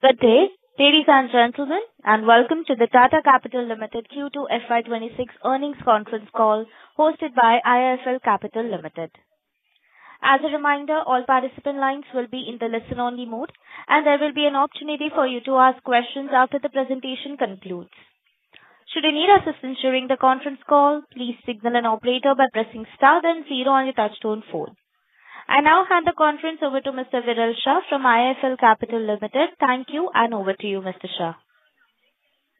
Good day. Ladies and gentlemen, and welcome to the Tata Capital Limited Q2 FY 2026 earnings conference call hosted by IIFL Capital Limited. As a reminder, all participant lines will be in the listen-only mode, and there will be an opportunity for you to ask questions after the presentation concludes. Should you need assistance during the conference call, please signal an operator by pressing star then zero on your touchtone phone. I now hand the conference over to Mr. Viral Shah from IIFL Capital Limited. Thank you, and over to you, Mr. Shah.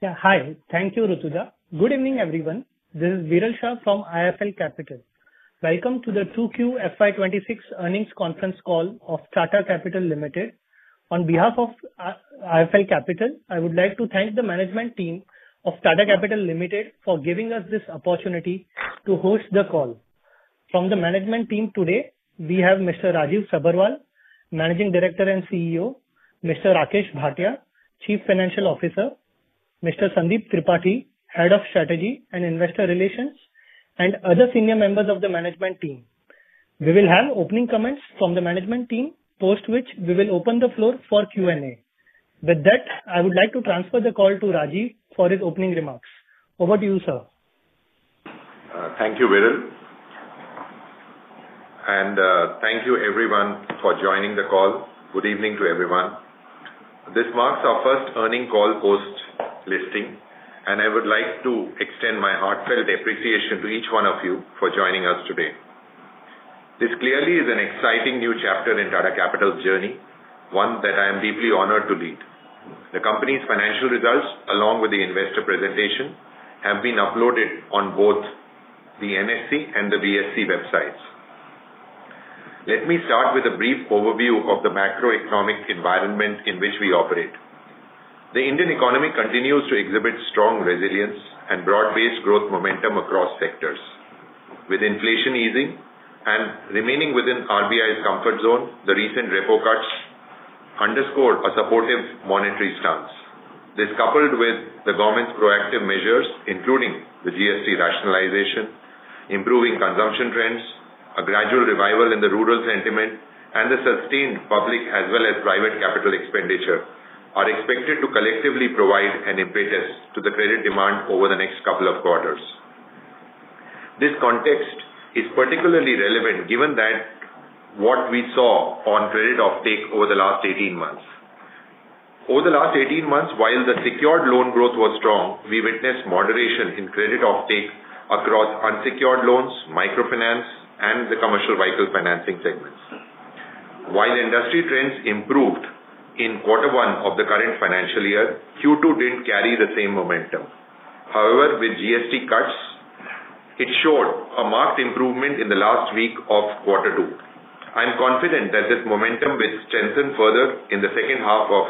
Yeah, hi. Thank you, Ruth. Good evening, everyone. This is Viral Shah from IIFL Capital. Welcome to the Q2 FY 2026 earnings conference call of Tata Capital Limited. On behalf of IIFL Capital, I would like to thank the management team of Tata Capital Limited for giving us this opportunity to host the call. From the management team today, we have Mr. Rajiv Sabharwal, Managing Director and CEO; Mr. Rakesh Bhatia, Chief Financial Officer; Mr. Sandeep Tripathi, Head of Strategy and Investor Relations; and other senior members of the management team. We will have opening comments from the management team, post which we will open the floor for Q&A. With that, I would like to transfer the call to Rajiv for his opening remarks. Over to you, sir. Thank you, Viral, and thank you, everyone, for joining the call. Good evening to everyone. This marks our first earnings call post listing, and I would like to extend my heartfelt appreciation to each one of you for joining us today. This clearly is an exciting new chapter in Tata Capital's journey, one that I am deeply honored to lead. The company's financial results, along with the investor presentation, have been uploaded on both the NSE and the BSE websites. Let me start with a brief overview of the macroeconomic environment in which we operate. The Indian economy continues to exhibit strong resilience and broad-based growth momentum across sectors. With inflation easing and remaining within RBI's comfort zone, the recent repo cuts underscore a supportive monetary stance. This, coupled with the government's proactive measures, including the GST rationalization, improving consumption trends, a gradual revival in the rural sentiment, and the sustained public as well as private capital expenditure, are expected to collectively provide an impetus to the credit demand over the next couple of quarters. This context is particularly relevant given what we saw on credit uptake over the last 18 months. Over the last 18 months, while the secured loan growth was strong, we witnessed moderation in credit uptake across unsecured loans, microfinance, and the commercial vehicle financing segments. While industry trends improved in quarter one of the current financial year, Q2 didn't carry the same momentum. However, with GST cuts, it showed a marked improvement in the last week of quarter two. I'm confident that this momentum will strengthen further in the second half of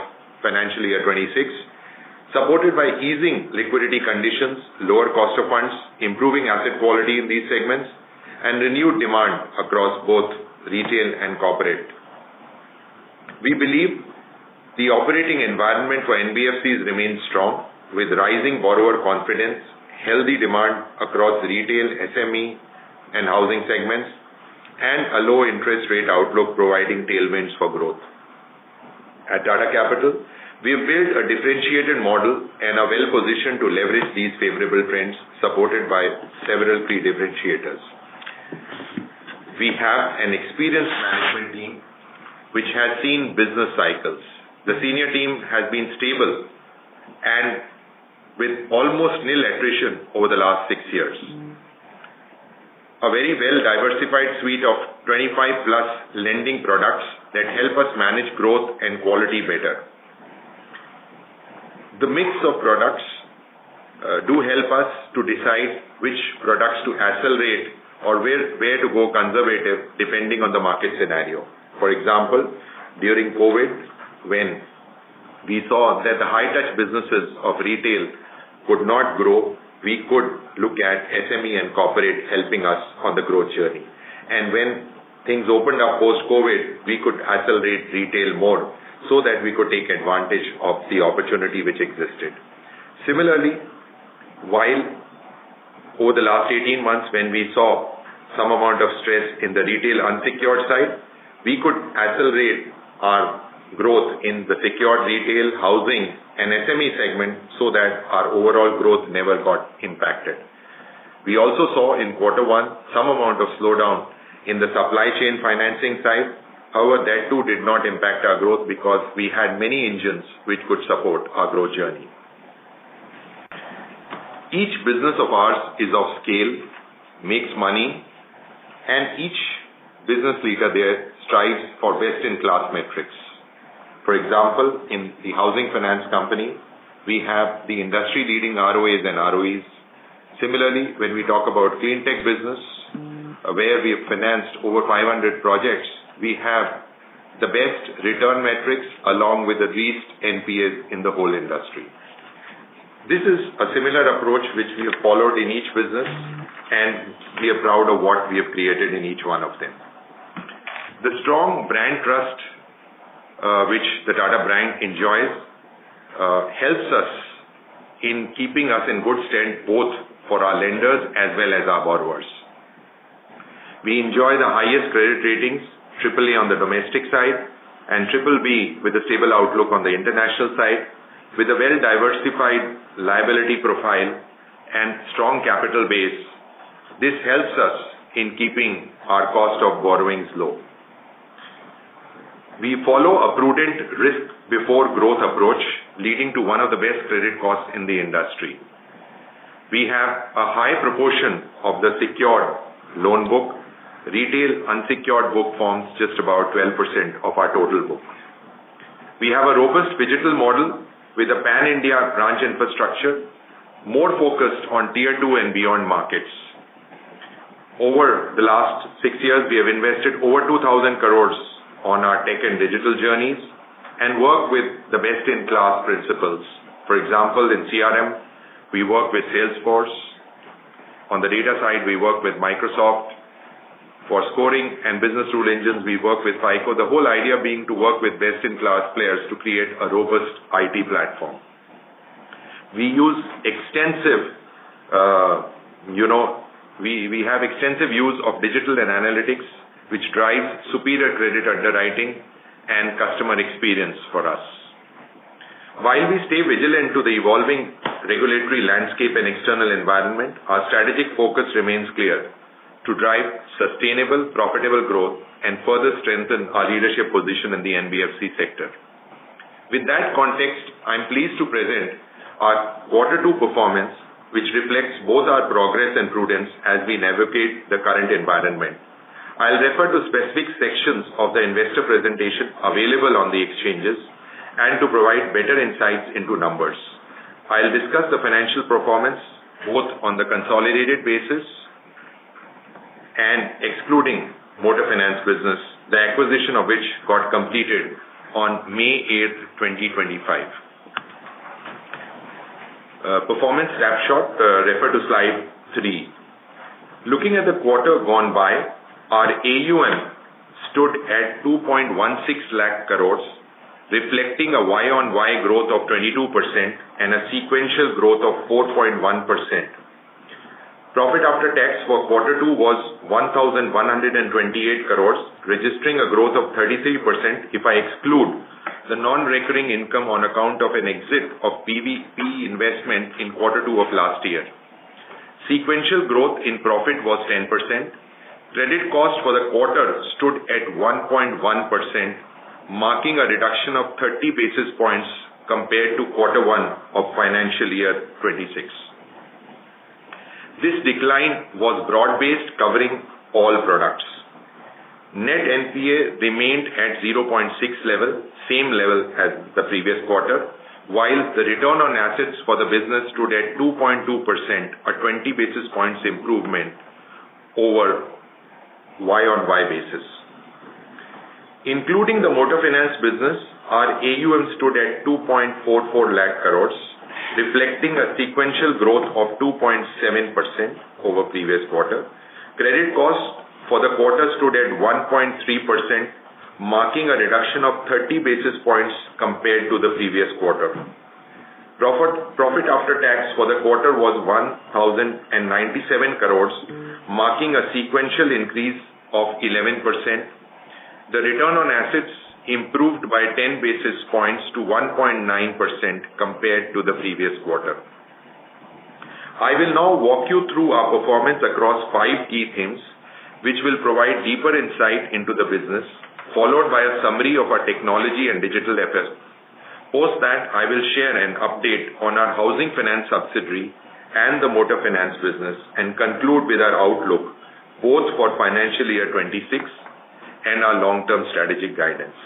financial year 2026, supported by easing liquidity conditions, lower cost of funds, improving asset quality in these segments, and renewed demand across both retail and corporate. We believe the operating environment for NBFCs remains strong, with rising borrower confidence, healthy demand across retail, SME, and housing segments, and a low interest rate outlook providing tailwinds for growth. At Tata Capital, we have built a differentiated model and are well positioned to leverage these favorable trends, supported by several key differentiators. We have an experienced management team which has seen business cycles. The senior team has been stable and with almost nil attrition over the last six years. A very well-diversified suite of 25+ lending products that help us manage growth and quality better. The mix of products do help us to decide which products to accelerate or where to go conservative, depending on the market scenario. For example, during COVID, when we saw that the high-touch businesses of retail could not grow, we could look at SME and corporate helping us on the growth journey. When things opened up post-COVID, we could accelerate retail more so that we could take advantage of the opportunity which existed. Similarly, while over the last 18 months, when we saw some amount of stress in the retail unsecured side, we could accelerate our growth in the secured retail, housing, and SME segment so that our overall growth never got impacted. We also saw in quarter one some amount of slowdown in the supply chain financing side. However, that too did not impact our growth because we had many engines which could support our growth journey. Each business of ours is of scale, makes money, and each business leader there strives for best-in-class metrics. For example, in the housing finance company, we have the industry-leading ROAs and ROEs. Similarly, when we talk about cleantech business, where we have financed over 500 projects, we have the best return metrics along with the least NPAs in the whole industry. This is a similar approach which we have followed in each business, and we are proud of what we have created in each one of them. The strong brand trust, which the Tata brand enjoys, helps us in keeping us in good stand both for our lenders as well as our borrowers. We enjoy the highest credit ratings, AAA on the domestic side and BBB with a stable outlook on the international side, with a well-diversified liability profile and strong capital base. This helps us in keeping our cost of borrowing low. We follow a prudent risk before growth approach, leading to one of the best credit costs in the industry. We have a high proportion of the secured loan book, retail unsecured book forms just about 12% of our total book. We have a robust digital model with a pan-India branch infrastructure, more focused on tier two and beyond markets. Over the last six years, we have invested over 2,000 crore on our tech and digital journeys and work with the best-in-class principles. For example, in CRM, we work with Salesforce. On the data side, we work with Microsoft. For scoring and business tool engines, we work with FICO. The whole idea being to work with best-in-class players to create a robust IT platform. We use extensive, you know, we have extensive use of digital and analytics, which drives superior credit underwriting and customer experience for us. While we stay vigilant to the evolving regulatory landscape and external environment, our strategic focus remains clear to drive sustainable, profitable growth and further strengthen our leadership position in the NBFC sector. With that context, I'm pleased to present our quarter two performance, which reflects both our progress and prudence as we navigate the current environment. I'll refer to specific sections of the investor presentation available on the exchanges and to provide better insights into numbers. I'll discuss the financial performance both on the consolidated basis and excluding the Motors Finance business, the acquisition of which got completed on May 8, 2025. Performance snapshot, refer to slide three. Looking at the quarter gone by, our AUM stood at 2.16 lakh crore, reflecting a YoY growth of 22% and a sequential growth of 4.1%. Profit after tax for quarter two was 1,128 crore, registering a growth of 33% if I exclude the non-recurring income on account of an exit of PVP investment in quarter two of last year. Sequential growth in profit was 10%. Credit cost for the quarter stood at 1.1%, marking a reduction of 30 basis points compared to quarter one of financial year 2026. This decline was broad-based, covering all products. Net NPA remained at 0.6%, same level as the previous quarter, while the return on assets for the business stood at 2.2%, a 20 basis points improvement over YoY basis. Including the Motors Finance business, our AUM stood at 2.44 lakh crore, reflecting a sequential growth of 2.7% over previous quarter. Credit cost for the quarter stood at 1.3%, marking a reduction of 30 basis points compared to the previous quarter. Profit after tax for the quarter was 1,097 crore, marking a sequential increase of 11%. The return on assets improved by 10 basis points to 1.9% compared to the previous quarter. I will now walk you through our performance across five key themes, which will provide deeper insight into the business, followed by a summary of our technology and digital efforts. Post that, I will share an update on our housing finance subsidiary and the Motors Finance business and conclude with our outlook both for financial year 2026 and our long-term strategic guidance.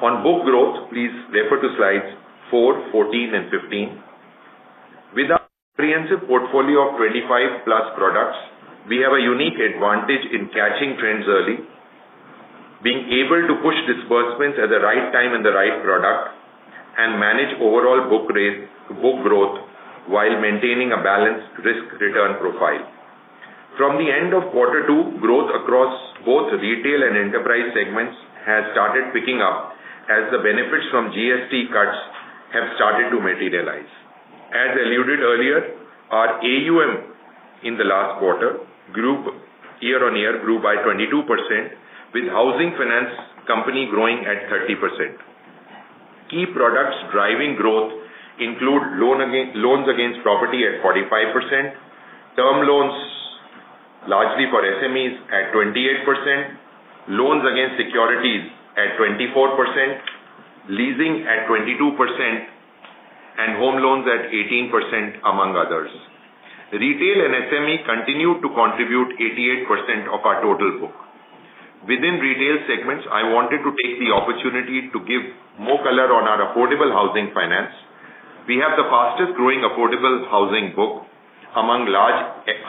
On book growth, please refer to slides 4, 14, and 15. With our expansive portfolio of 25+ products, we have a unique advantage in catching trends early, being able to push disbursements at the right time and the right product, and manage overall book growth while maintaining a balanced risk-return profile. From the end of quarter two, growth across both retail and enterprise segments has started picking up as the benefits from GST cuts have started to materialize. As alluded earlier, our AUM in the last quarter grew year-on-year, grew by 22%, with housing finance company growing at 30%. Key products driving growth include loans against property at 45%, term loans largely for SMEs at 28%, loans against securities at 24%, leasing at 22%, and home loans at 18%, among others. Retail and SME continue to contribute 88% of our total book. Within retail segments, I wanted to take the opportunity to give more color on our affordable housing finance. We have the fastest growing affordable housing book among large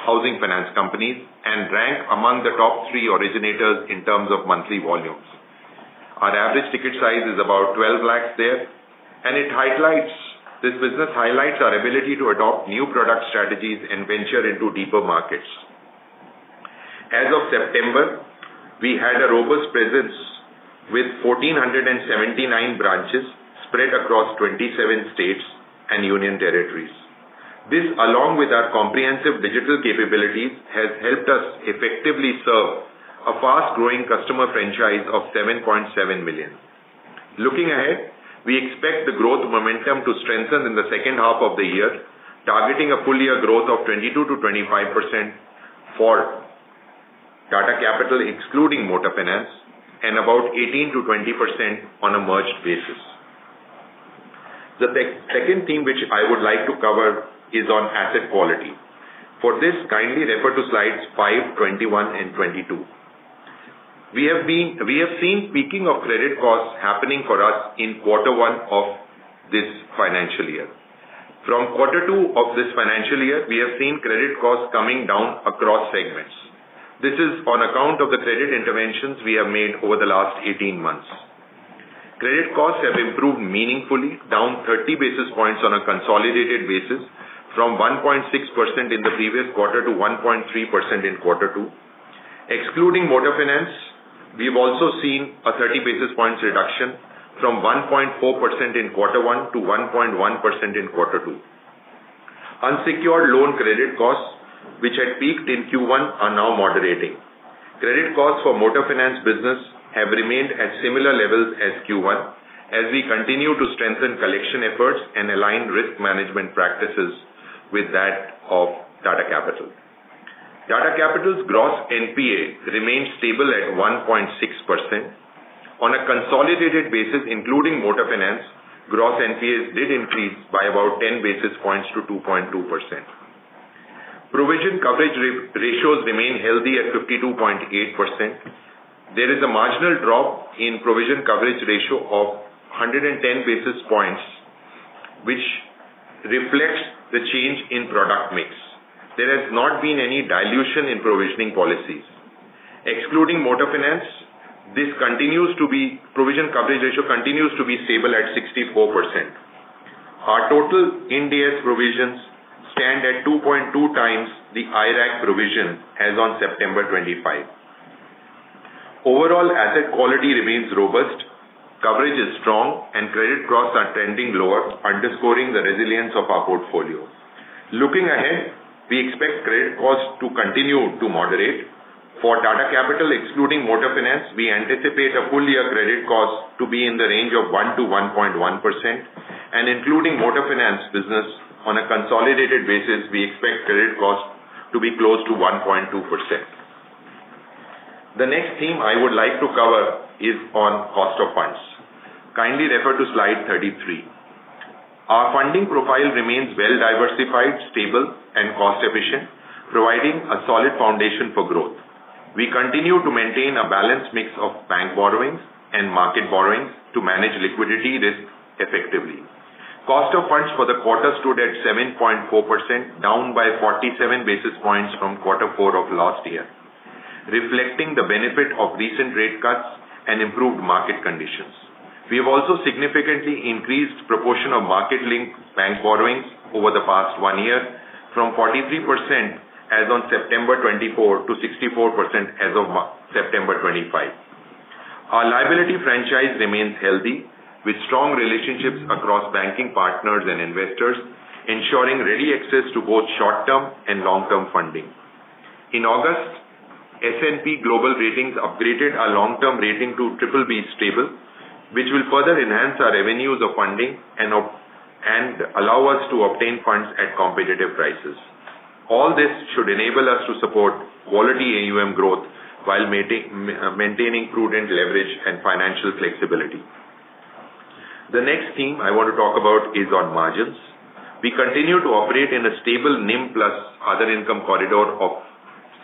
housing finance companies and rank among the top three originators in terms of monthly volumes. Our average ticket size is about 12 lakh there, and it highlights this business highlights our ability to adopt new product strategies and venture into deeper markets. As of September, we had a robust presence with 1,479 branches spread across 27 states and union territories. This, along with our comprehensive digital capabilities, has helped us effectively serve a fast-growing customer franchise of 7.7 million. Looking ahead, we expect the growth momentum to strengthen in the second half of the year, targeting a full-year growth of 22%-25% for Tata Capital, excluding Motors Finance, and about 18%-20% on a merged basis. The second theme which I would like to cover is on asset quality. For this, kindly refer to slides 5, 21, and 22. We have seen peaking of credit costs happening for us in quarter one of this financial year. From quarter two of this financial year, we have seen credit costs coming down across segments. This is on account of the credit interventions we have made over the last 18 months. Credit costs have improved meaningfully, down 30 basis points on a consolidated basis, from 1.6% in the previous quarter to 1.3% in quarter two. Excluding Motors Finance, we've also seen a 30 basis points reduction from 1.4% in quarter one to 1.1% in quarter two. Unsecured loan credit costs, which had peaked in Q1, are now moderating. Credit costs for Motors Finance business have remained at similar levels as Q1, as we continue to strengthen collection efforts and align risk management practices with that of Tata Capital. Tata Capital's gross NPA remains stable at 1.6%. On a consolidated basis, including Motors Finance, gross NPAs did increase by about 10 basis points to 2.2%. Provision coverage ratios remain healthy at 52.8%. There is a marginal drop in provision coverage ratio of 110 basis points, which reflects the change in product mix. There has not been any dilution in provisioning policies. Excluding Motors Finance, provision coverage ratio continues to be stable at 64%. Our total NPA provisions stand at 2.2x the IRAC provision as on September 25. Overall, asset quality remains robust, coverage is strong, and credit costs are trending lower, underscoring the resilience of our portfolio. Looking ahead, we expect credit costs to continue to moderate. For Tata Capital, excluding Motors Finance, we anticipate a full-year credit cost to be in the range of 1%-1.1%, and including Motors Finance business on a consolidated basis, we expect credit costs to be close to 1.2%. The next theme I would like to cover is on cost of funds. Kindly refer to slide 33. Our funding profile remains well-diversified, stable, and cost-efficient, providing a solid foundation for growth. We continue to maintain a balanced mix of bank borrowings and market borrowings to manage liquidity risk effectively. Cost of funds for the quarter stood at 7.4%, down by 47 basis points from quarter four of last year, reflecting the benefit of recent rate cuts and improved market conditions. We have also significantly increased the proportion of market-linked bank borrowings over the past one year, from 43% as on September 2024 to 64% as of September 2025. Our liability franchise remains healthy, with strong relationships across banking partners and investors, ensuring ready access to both short-term and long-term funding. In August, S&P Global Ratings upgraded our long-term rating to BBB stable, which will further enhance our avenues of funding and allow us to obtain funds at competitive prices. All this should enable us to support quality AUM growth while maintaining prudent leverage and financial flexibility. The next theme I want to talk about is on margins. We continue to operate in a stable NIM plus other income corridor of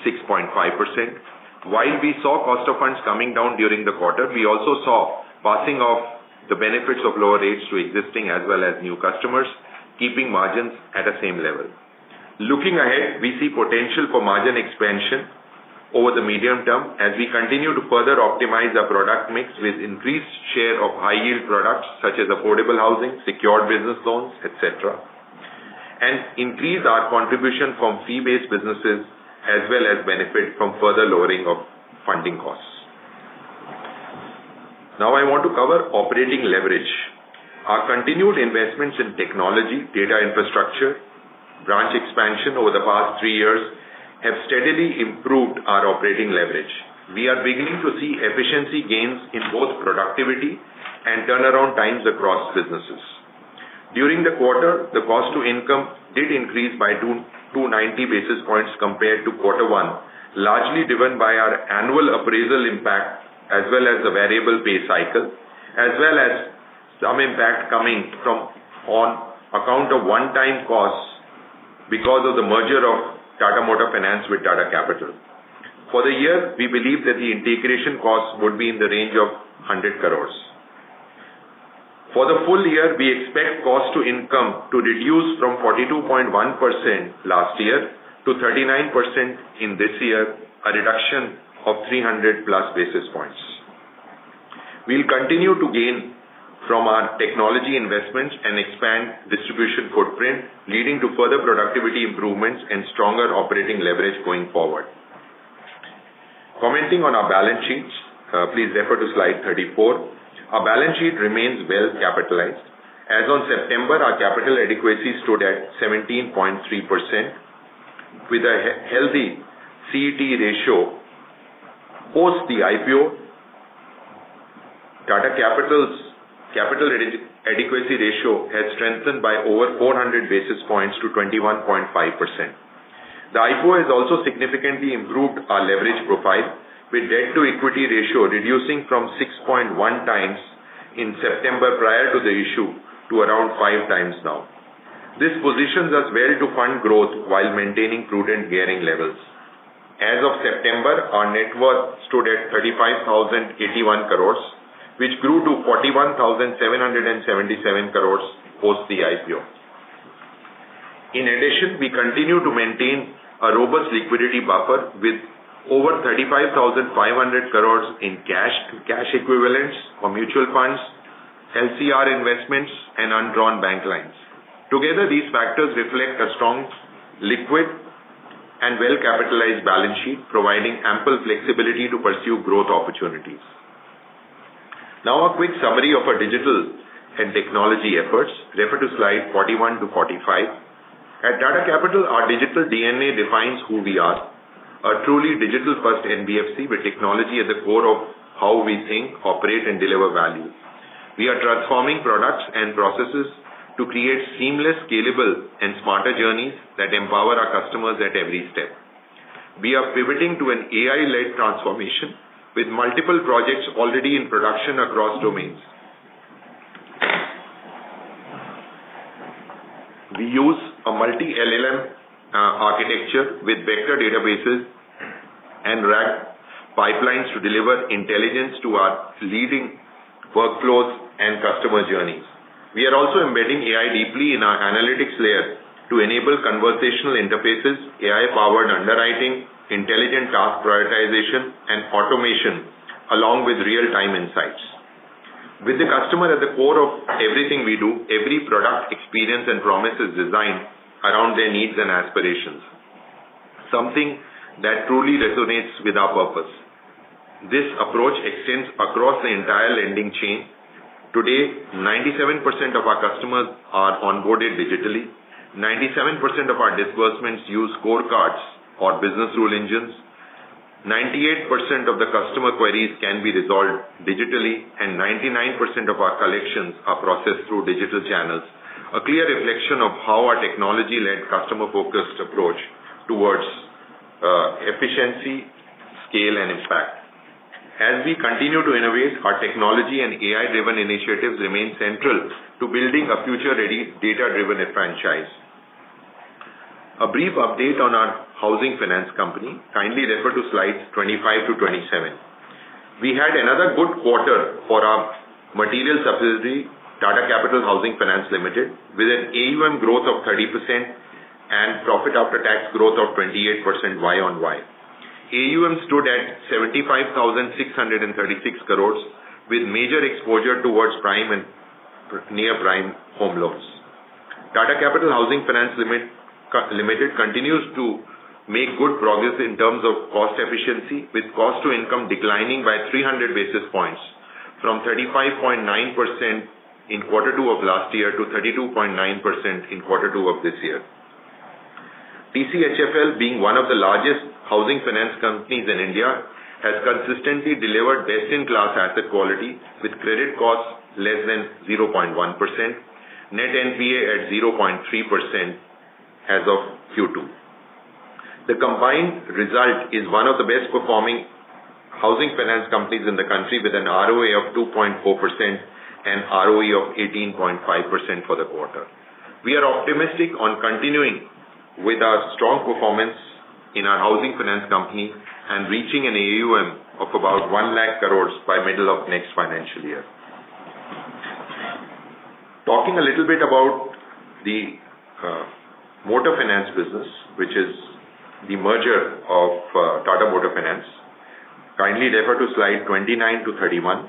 6.5%. While we saw cost of funds coming down during the quarter, we also saw passing of the benefits of lower rates to existing as well as new customers, keeping margins at the same level. Looking ahead, we see potential for margin expansion over the medium term as we continue to further optimize our product mix with increased share of high-yield products such as affordable housing, secured business loans, etc., and increase our contribution from fee-based businesses as well as benefit from further lowering of funding costs. Now I want to cover operating leverage. Our continued investments in technology, data infrastructure, and branch expansion over the past three years have steadily improved our operating leverage. We are beginning to see efficiency gains in both productivity and turnaround times across businesses. During the quarter, the cost to income did increase by 290 basis points compared to quarter one, largely driven by our annual appraisal impact as well as the variable pay cycle, as well as some impact coming from on account of one-time costs because of the merger of Tata Motors Finance with Tata Capital. For the year, we believe that the integration costs would be in the range of 100 crore. For the full year, we expect cost to income to reduce from 42.1% last year to 39% in this year, a reduction of 300+ basis points. We'll continue to gain from our technology investments and expand distribution footprint, leading to further productivity improvements and stronger operating leverage going forward. Commenting on our balance sheet, please refer to slide 34. Our balance sheet remains well capitalized. As on September, our capital adequacy stood at 17.3% with a healthy CET ratio. Post the IPO, Tata Capital's capital adequacy ratio had strengthened by over 400 basis points to 21.5%. The IPO has also significantly improved our leverage profile with debt-to-equity ratio reducing from 6.1x in September prior to the issue to around 5x now. This positions us well to fund growth while maintaining prudent gearing levels. As of September, our net worth stood at 35,081 crore, which grew to 41,777 crore post the IPO. In addition, we continue to maintain a robust liquidity buffer with over 35,500 crore in cash equivalents or mutual funds, LCR investments, and undrawn bank lines. Together, these factors reflect a strong, liquid, and well-capitalized balance sheet, providing ample flexibility to pursue growth opportunities. Now, a quick summary of our digital and technology efforts. Refer to slides 41 to 45. At Tata Capital, our digital DNA defines who we are, a truly digital-first NBFC with technology at the core of how we think, operate, and deliver value. We are transforming products and processes to create seamless, scalable, and smarter journeys that empower our customers at every step. We are pivoting to an AI-led transformation with multiple projects already in production across domains. We use a multi-LLM architecture with vector databases and RAG pipelines to deliver intelligence to our leading workflows and customer journeys. We are also embedding AI deeply in our analytics layer to enable conversational interfaces, AI-powered underwriting, intelligent task prioritization, and automation, along with real-time insights. With the customer at the core of everything we do, every product experience and promise is designed around their needs and aspirations, something that truly resonates with our purpose. This approach extends across the entire lending chain. Today, 97% of our customers are onboarded digitally. 97% of our disbursements use scorecards or business tool engines. 98% of the customer queries can be resolved digitally, and 99% of our collections are processed through digital channels, a clear reflection of how our technology-led customer-focused approach towards efficiency, scale, and impact. As we continue to innovate, our technology and AI-driven initiatives remain central to building a future-ready data-driven franchise. A brief update on our housing finance company. Kindly refer to slides 25 to 27. We had another good quarter for our material subsidiary, Tata Capital Housing Finance Limited, with an AUM growth of 30% and profit after tax growth of 28% YoY. AUM stood at 75,636 crore, with major exposure towards prime and near prime home loans. Tata Capital Housing Finance Limited continues to make good progress in terms of cost efficiency, with cost to income declining by 300 basis points from 35.9% in quarter two of last year to 32.9% in quarter two of this year. TCHFL, being one of the largest housing finance companies in India, has consistently delivered best-in-class asset quality with credit costs less than 0.1%, net NPA at 0.3% as of Q2. The combined result is one of the best-performing housing finance companies in the country, with an ROA of 2.4% and ROE of 18.5% for the quarter. We are optimistic on continuing with our strong performance in our housing finance company and reaching an AUM of about 1 lakh crore by the middle of next financial year. Talking a little bit about the Motors Finance business, which is the merger of Tata Motors Finance, kindly refer to slide 29 to 31.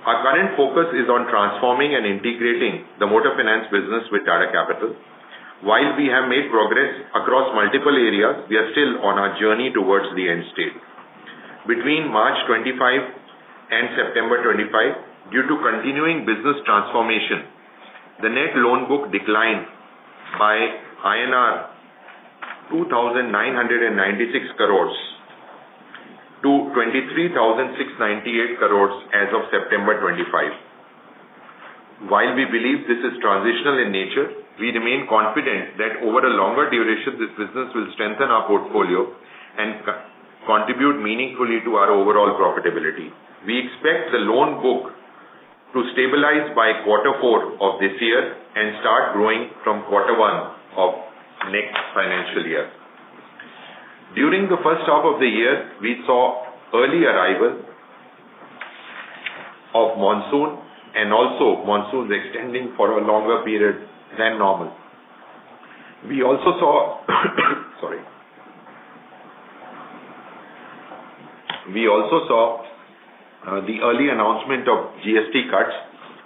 Our current focus is on transforming and integrating the Motors Finance business with Tata Capital. While we have made progress across multiple areas, we are still on our journey towards the end state. Between March 2025 and September 2025, due to continuing business transformation, the net loan book declined by 2,996 crore-23,698 crore INR as of September 2025. While we believe this is transitional in nature, we remain confident that over a longer duration, this business will strengthen our portfolio and contribute meaningfully to our overall profitability. We expect the loan book to stabilize by quarter four of this year and start growing from quarter one of next financial year. During the first half of the year, we saw early arrival of monsoon and also monsoons extending for a longer period than normal. We also saw the early announcement of GST cuts,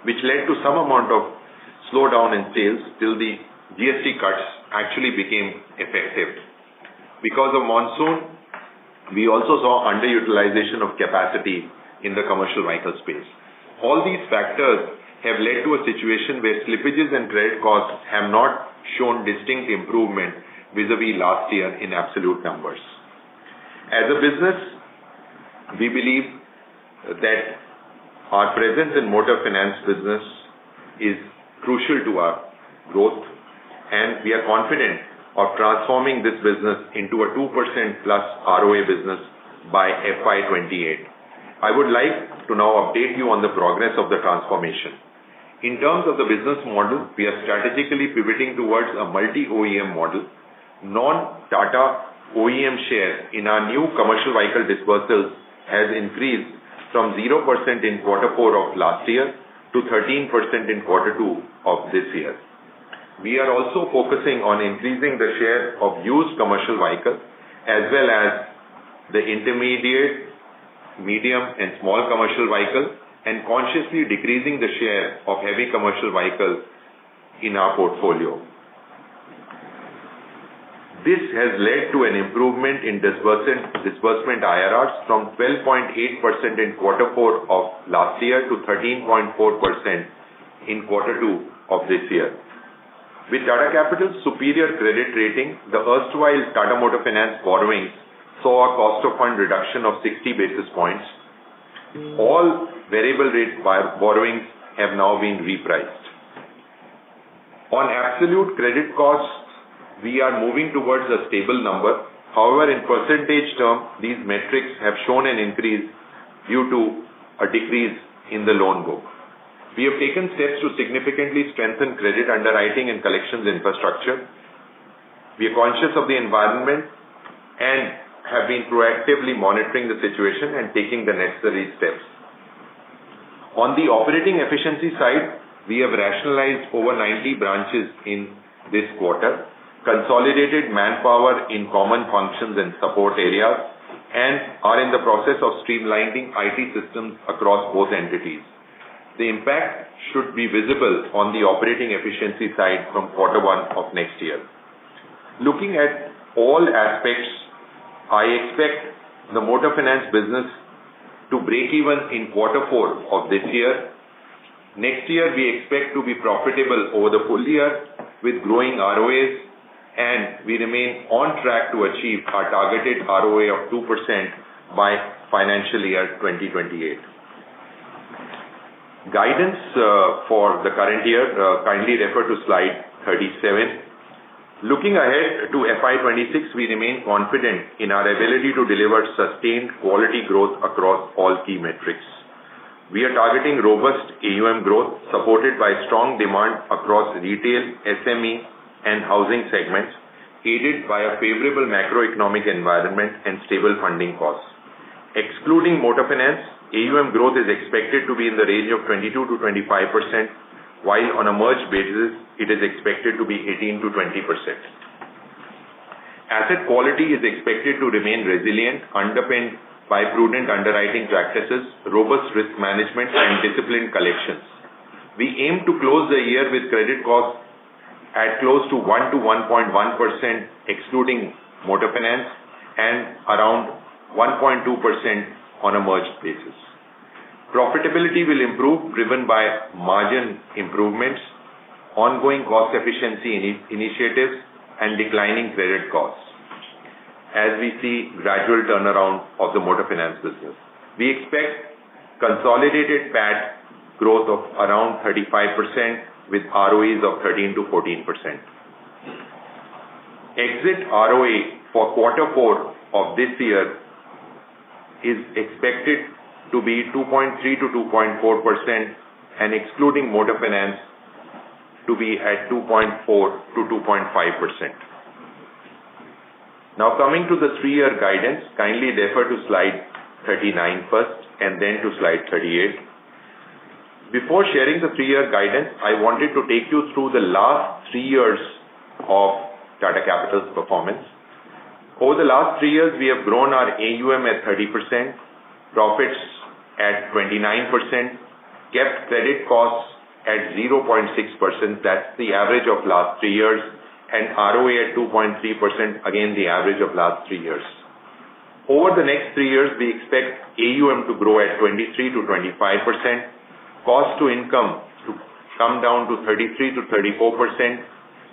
which led to some amount of slowdown in sales till the GST cuts actually became effective. Because of monsoon, we also saw underutilization of capacity in the commercial vehicle space. All these factors have led to a situation where slippages and credit costs have not shown distinct improvement vis-à-vis last year in absolute numbers. As a business, we believe that our presence in the Motors Finance business is crucial to our growth, and we are confident of transforming this business into a 2%+ ROA business by FY 2028. I would like to now update you on the progress of the transformation. In terms of the business model, we are strategically pivoting towards a multi-OEM model. Non-Tata OEM share in our new commercial vehicle disbursals has increased from 0% in quarter four of last year to 13% in quarter two of this year. We are also focusing on increasing the share of used commercial vehicles, as well as the intermediate, medium, and small commercial vehicles, and consciously decreasing the share of heavy commercial vehicles in our portfolio. This has led to an improvement in disbursement IRRs from 12.8% in quarter four of last year to 13.4% in quarter two of this year. With Tata Capital's superior credit rating, the erstwhile Tata Motors Finance borrowings saw a cost of fund reduction of 60 basis points. All variable rate borrowings have now been repriced. On absolute credit costs, we are moving towards a stable number. However, in percentage terms, these metrics have shown an increase due to a decrease in the loan book. We have taken steps to significantly strengthen credit underwriting and collections infrastructure. We are conscious of the environment and have been proactively monitoring the situation and taking the necessary steps. On the operating efficiency side, we have rationalized over 90 branches in this quarter, consolidated manpower in common functions and support areas, and are in the process of streamlining IT systems across both entities. The impact should be visible on the operating efficiency side from quarter one of next year. Looking at all aspects, I expect the Motors Finance business to break even in quarter four of this year. Next year, we expect to be profitable over the full year with growing ROAs, and we remain on track to achieve our targeted ROA of 2% by financial year 2028. Guidance for the current year, kindly refer to slide 37. Looking ahead to FY 2026, we remain confident in our ability to deliver sustained quality growth across all key metrics. We are targeting robust AUM growth supported by strong demand across retail, SME, and housing segments, aided by a favorable macroeconomic environment and stable funding costs. Excluding Motors Finance, AUM growth is expected to be in the range of 22%-25%, while on a merged basis, it is expected to be 18%-20%. Asset quality is expected to remain resilient, underpinned by prudent underwriting practices, robust risk management, and disciplined collections. We aim to close the year with credit costs at close to 1%-1.1%, excluding Motors Finance, and around 1.2% on a merged basis. Profitability will improve, driven by margin improvements, ongoing cost efficiency initiatives, and declining credit costs as we see gradual turnaround of the Motors Finance business. We expect consolidated Pad growth of around 35% with ROEs of 13%-14%. Exit ROA for quarter four of this year is expected to be 2.3%-2.4%, and excluding Motors Finance, to be at 2.4%-2.5%. Now, coming to the three-year guidance, kindly refer to slide 39 first and then to slide 38. Before sharing the three-year guidance, I wanted to take you through the last three years of Tata Capital's performance. Over the last three years, we have grown our AUM at 30%, profits at 29%, kept credit costs at 0.6%. That's the average of the last three years, and ROA at 2.3%, again, the average of the last three years. Over the next three years, we expect AUM to grow at 23%-25%, cost to income to come down to 33%-34%,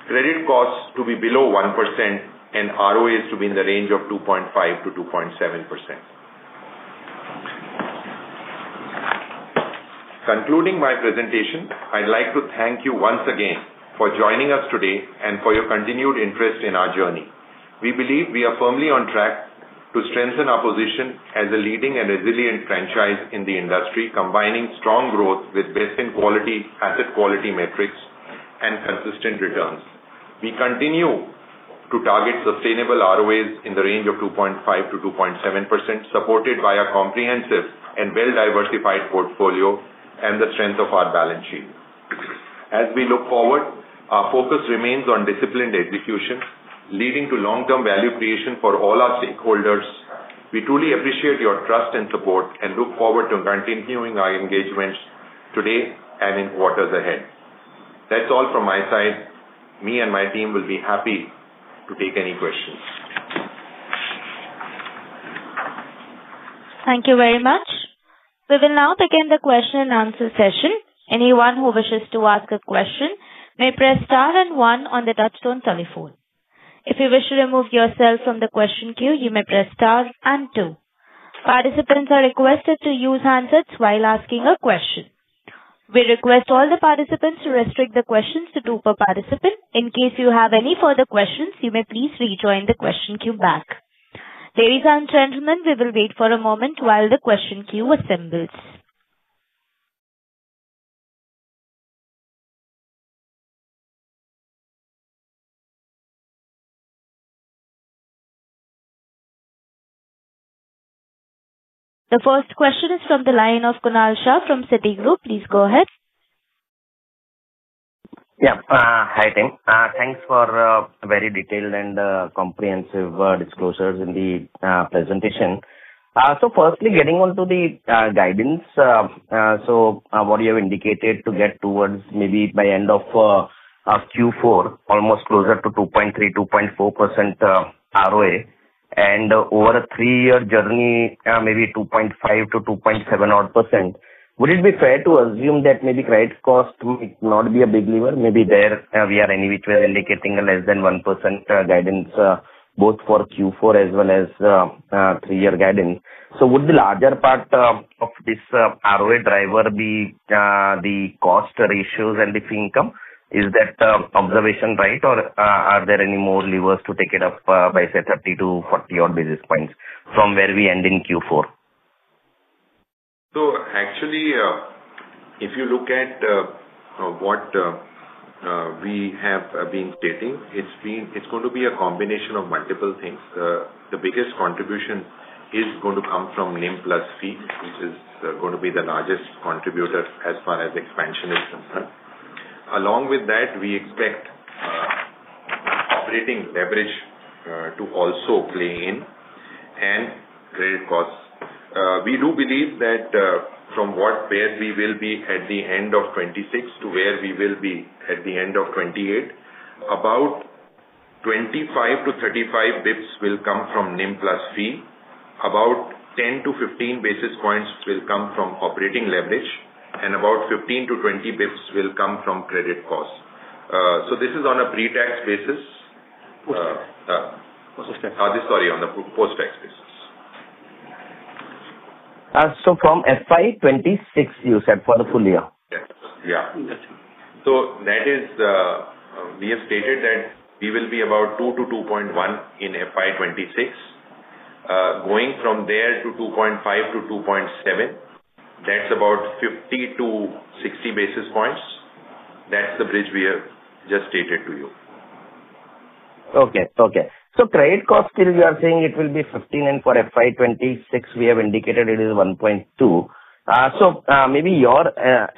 credit costs to be below 1%, and ROAs to be in the range of 2.5%-2.7%. Concluding my presentation, I'd like to thank you once again for joining us today and for your continued interest in our journey. We believe we are firmly on track to strengthen our position as a leading and resilient franchise in the industry, combining strong growth with best-in-quality asset quality metrics and consistent returns. We continue to target sustainable ROAs in the range of 2.5%-2.7%, supported by a comprehensive and well-diversified portfolio and the strength of our balance sheet. As we look forward, our focus remains on disciplined execution, leading to long-term value creation for all our stakeholders. We truly appreciate your trust and support and look forward to continuing our engagement today and in quarters ahead. That's all from my side. Me and my team will be happy to take any questions. Thank you very much. We will now begin the question-and answer session. Anyone who wishes to ask a question may press star and one on the touchstone telephone. If you wish to remove yourself from the question queue, you may press star and two. Participants are requested to use handsets while asking a question. We request all the participants to restrict the questions to two per participant. In case you have any further questions, you may please rejoin the question queue. Ladies and gentlemen, we will wait for a moment while the question queue assembles. The first question is from the line of Kunal Shah from Citigroup. Please go ahead. Yeah, hi again. Thanks for a very detailed and comprehensive disclosures in the presentation. Firstly, getting onto the guidance, what you have indicated to get towards maybe by the end of Q4, almost closer to 2.3%-2.4% ROA, and over a three-year journey, maybe 2.5%-2.7% odd. Would it be fair to assume that maybe credit costs might not be a big lever? Maybe there we are anyway indicating a less than 1% guidance both for Q4 as well as three-year guidance. Would the larger part of this ROA driver be the cost ratios and the income? Is that observation right, or are there any more levers to take it up by, say, 30 to 40 basis points from where we end in Q4? If you look at what we have been stating, it's going to be a combination of multiple things. The biggest contribution is going to come from NIM plus fee, which is going to be the largest contributor as far as expansion is concerned. Along with that, we expect operating leverage to also play in and credit costs. We do believe that from where we will be at the end of 2026 to where we will be at the end of 2028, about 25 to 35 bps will come from NIM plus fee. About 10 to 15 basis points will come from operating leverage, and about 15 to 20 bps will come from credit costs. This is on a pre-tax basis. Post-tax. Sorry, on the post-tax basis. From FY 2026, you said for the full year? Yes. That is, we have stated that we will be about 2-2.1 in FY 2026, going from there to 2.5-2.7. That's about 50 to 60 basis points. That's the bridge we have just stated to you. Okay. Okay. So credit costs, still, you are saying it will be 15, and for FY 2026, we have indicated it is 1.2. Maybe your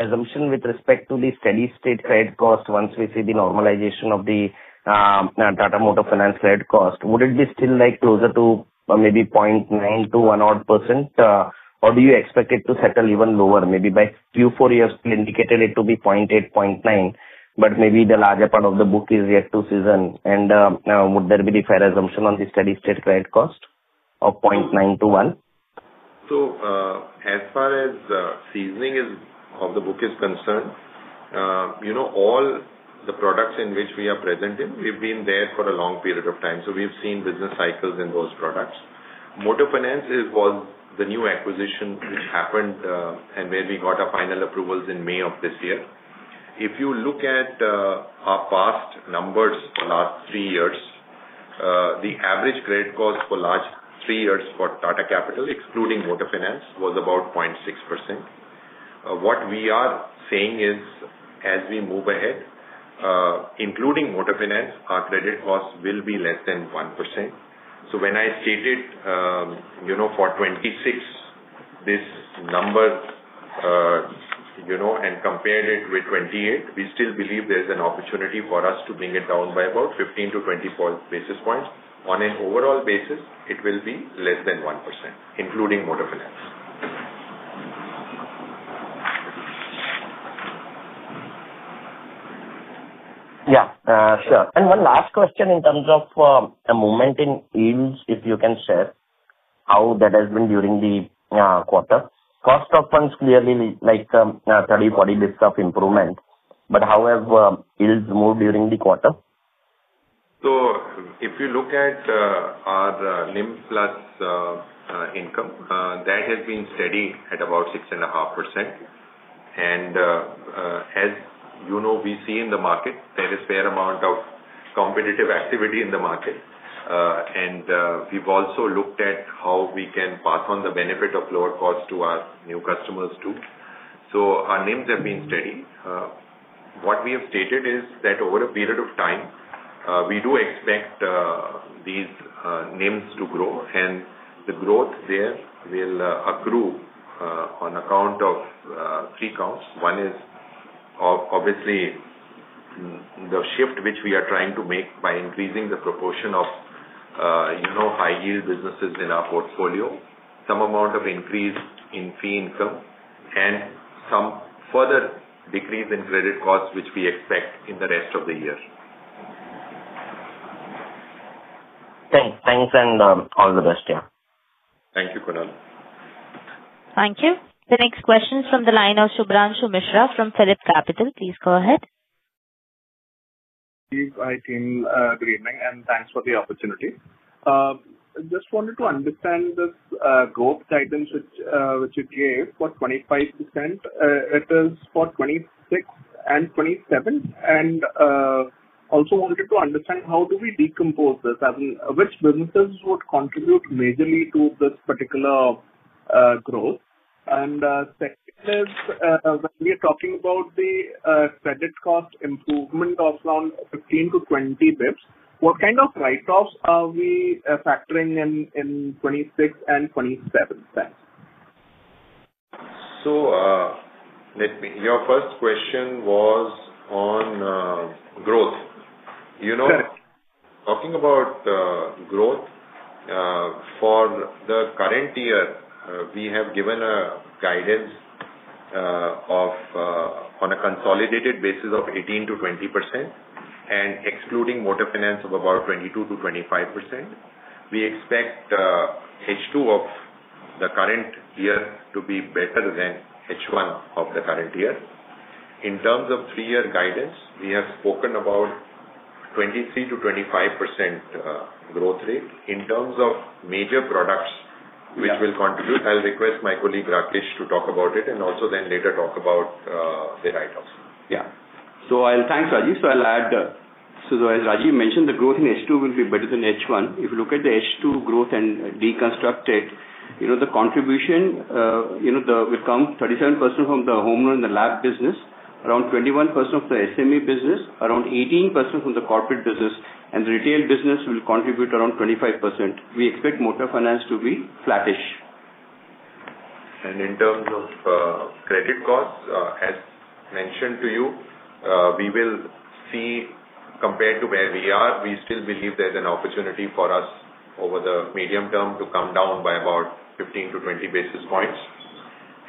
assumption with respect to the steady-state credit cost, once we see the normalization of the Tata Motors Finance credit cost, would it be still like closer to maybe 0.9%-1% odd, or do you expect it to settle even lower, maybe by Q4? You have indicated it to be 0.8%, 0.9%, but maybe the larger part of the book is yet to season. Would there be the fair assumption on the steady-state credit cost of 0.9%-1%? As far as the seasoning of the book is concerned, all the products in which we are presenting, we've been there for a long period of time. We've seen business cycles in those products. Motors Finance was the new acquisition which happened and where we got our final approvals in May of this year. If you look at our past numbers for the last three years, the average credit cost for the last three years for Tata Capital, excluding Motors Finance, was about 0.6%. What we are saying is, as we move ahead, including Motors Finance, our credit costs will be less than 1%. When I stated, for 2026, this number, and compared it with 2028, we still believe there's an opportunity for us to bring it down by about 15 to 20 basis points. On an overall basis, it will be less than 1%, including Motors Finance. Yeah, sure. One last question in terms of a moment in yields, if you can share how that has been during the quarter. Cost of funds clearly like 30, 40 bps of improvement, but how have yields moved during the quarter? If you look at our NIM plus income, that has been steady at about 6.5%. As you know, we see in the market there is a fair amount of competitive activity in the market. We've also looked at how we can pass on the benefit of lower costs to our new customers too. Our NIMs have been steady. What we have stated is that over a period of time, we do expect these NIMs to grow, and the growth there will accrue on account of three counts. One is obviously the shift which we are trying to make by increasing the proportion of high-yield businesses in our portfolio, some amount of increase in fee income, and some further decrease in credit costs, which we expect in the rest of the year. Thanks. Thanks and all the best here. Thank you, Kunal. Thank you. The next question is from the line of Shubranshu Mishra from Philip Capital. Please go ahead. Hi team and thanks for the opportunity. I just wanted to understand this growth guidance which you gave for 25%. It is for 2026 and 2027. I also wanted to understand how do we decompose this? Which businesses would contribute majorly to this particular growth? Second is, when we are talking about the credit cost improvement of around 15 to 20 bps, what kind of write-offs are we factoring in 2026 and 2027? Your first question was on growth. Talking about growth for the current year, we have given a guidance on a consolidated basis of 18%-20% and excluding Motors Finance of about 22%-25%. We expect H2 of the current year to be better than H1 of the current year. In terms of three-year guidance, we have spoken about 23%-25% growth rate. In terms of major products which will contribute, I'll request my colleague Rakesh to talk about it and also then later talk about the write-offs. Yeah, thanks, Rajiv. As Rajiv mentioned, the growth in H2 will be better than H1. If you look at the H2 growth and deconstruct it, the contribution will come 37% from the home loan and the lab business, around 21% from the SME business, around 18% from the corporate business, and the retail business will contribute around 25%. We expect Motors Finance to be flattish. In terms of credit costs, as mentioned to you, we will see compared to where we are, we still believe there's an opportunity for us over the medium term to come down by about 15 to 20 basis points.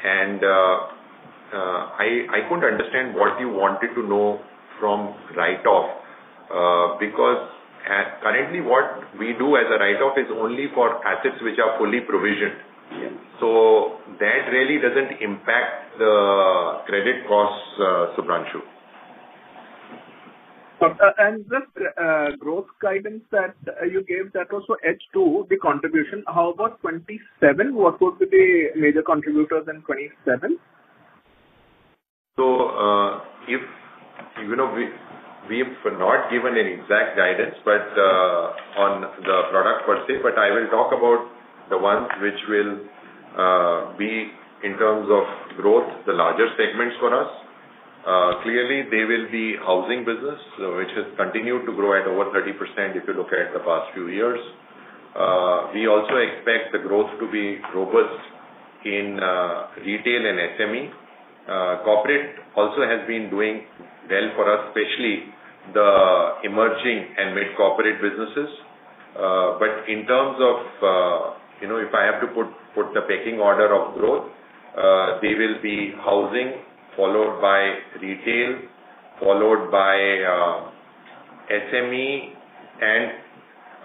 I couldn't understand what you wanted to know from write-off because currently what we do as a write-off is only for assets which are fully provisioned. That really doesn't impact the credit costs, Shubranshu. The growth guidance that you gave, that was for H2, the contribution. How about 2027? What would be the major contributors in 2027? We have not given an exact guidance on the product per se, but I will talk about the ones which will be in terms of growth, the larger segments for us. Clearly, they will be housing business, which has continued to grow at over 30% if you look at the past few years. We also expect the growth to be robust in retail and SME. Corporate also has been doing well for us, especially the emerging and mid-corporate businesses. In terms of, you know, if I have to put the pecking order of growth, they will be housing, followed by retail, followed by SME, and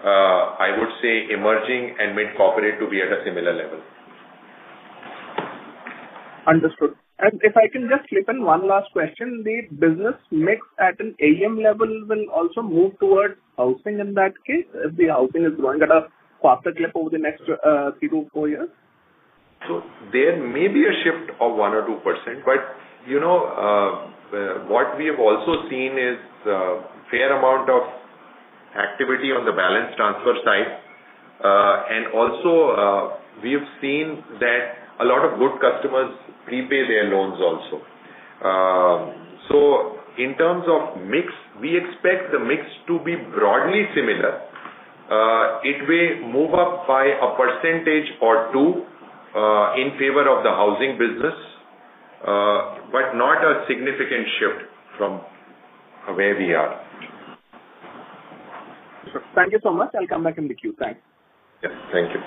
I would say emerging and mid-corporate to be at a similar level. Understood. If I can just flip in one last question, the business mix at an AUM level will also move towards housing in that case if the housing is growing at a quarter clip over the next three to four years? There may be a shift of 1% or 2%, but what we have also seen is a fair amount of activity on the balance transfer side. We have seen that a lot of good customers prepay their loans also. In terms of mix, we expect the mix to be broadly similar. It may move up by a percentage or two in favor of the housing business, but not a significant shift from where we are. Thank you so much. I'll come back in the queue. Thanks. Thank you.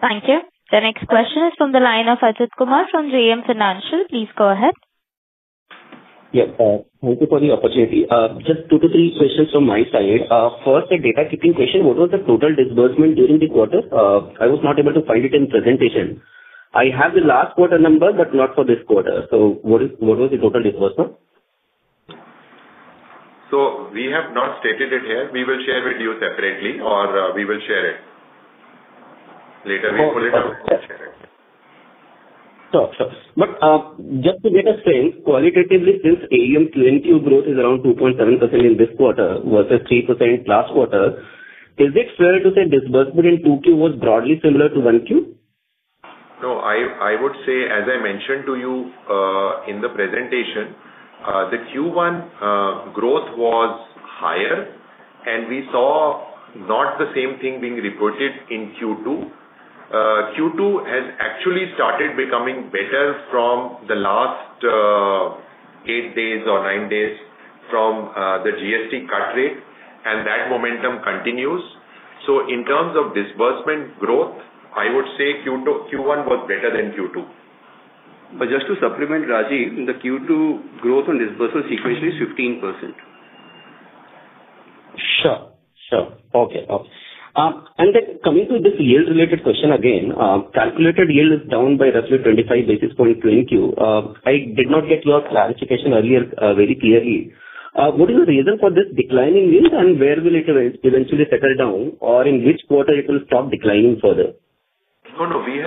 Thank you. The next question is from the line of Ajit Kumar from JM Financial. Please go ahead. Yes, thank you for the opportunity. Just two to three questions from my side. First, a data-keeping question. What was the total disbursement during the quarter? I was not able to find it in the presentation. I have the last quarter number, but not for this quarter. What was the total disbursement? We have not stated it here. We will share it with you separately, or we will share it later. We'll pull it up and share it. Sure. Just to get a sense, qualitatively, since AUM Q1 Q2 growth is around 2.7% in this quarter versus 3% last quarter, is it fair to say disbursement in Q2 was broadly similar to Q1? No, I would say, as I mentioned to you in the presentation, the Q1 growth was higher, and we saw not the same thing being reported in Q2. Q2 has actually started becoming better from the last eight or nine days from the GST cut rate, and that momentum continues. In terms of disbursement growth, I would say Q1 was better than Q2. Just to supplement, Ajit, the Q2 growth on disbursement sequentially is 15%. Sure, sure. Okay, okay. Coming to this yield-related question again, calculated yield is down by roughly 25 basis points QoQ. I did not get your clarification earlier very clearly. What is the reason for this declining yield, and where will it eventually settle down, or in which quarter will it stop declining further? No, we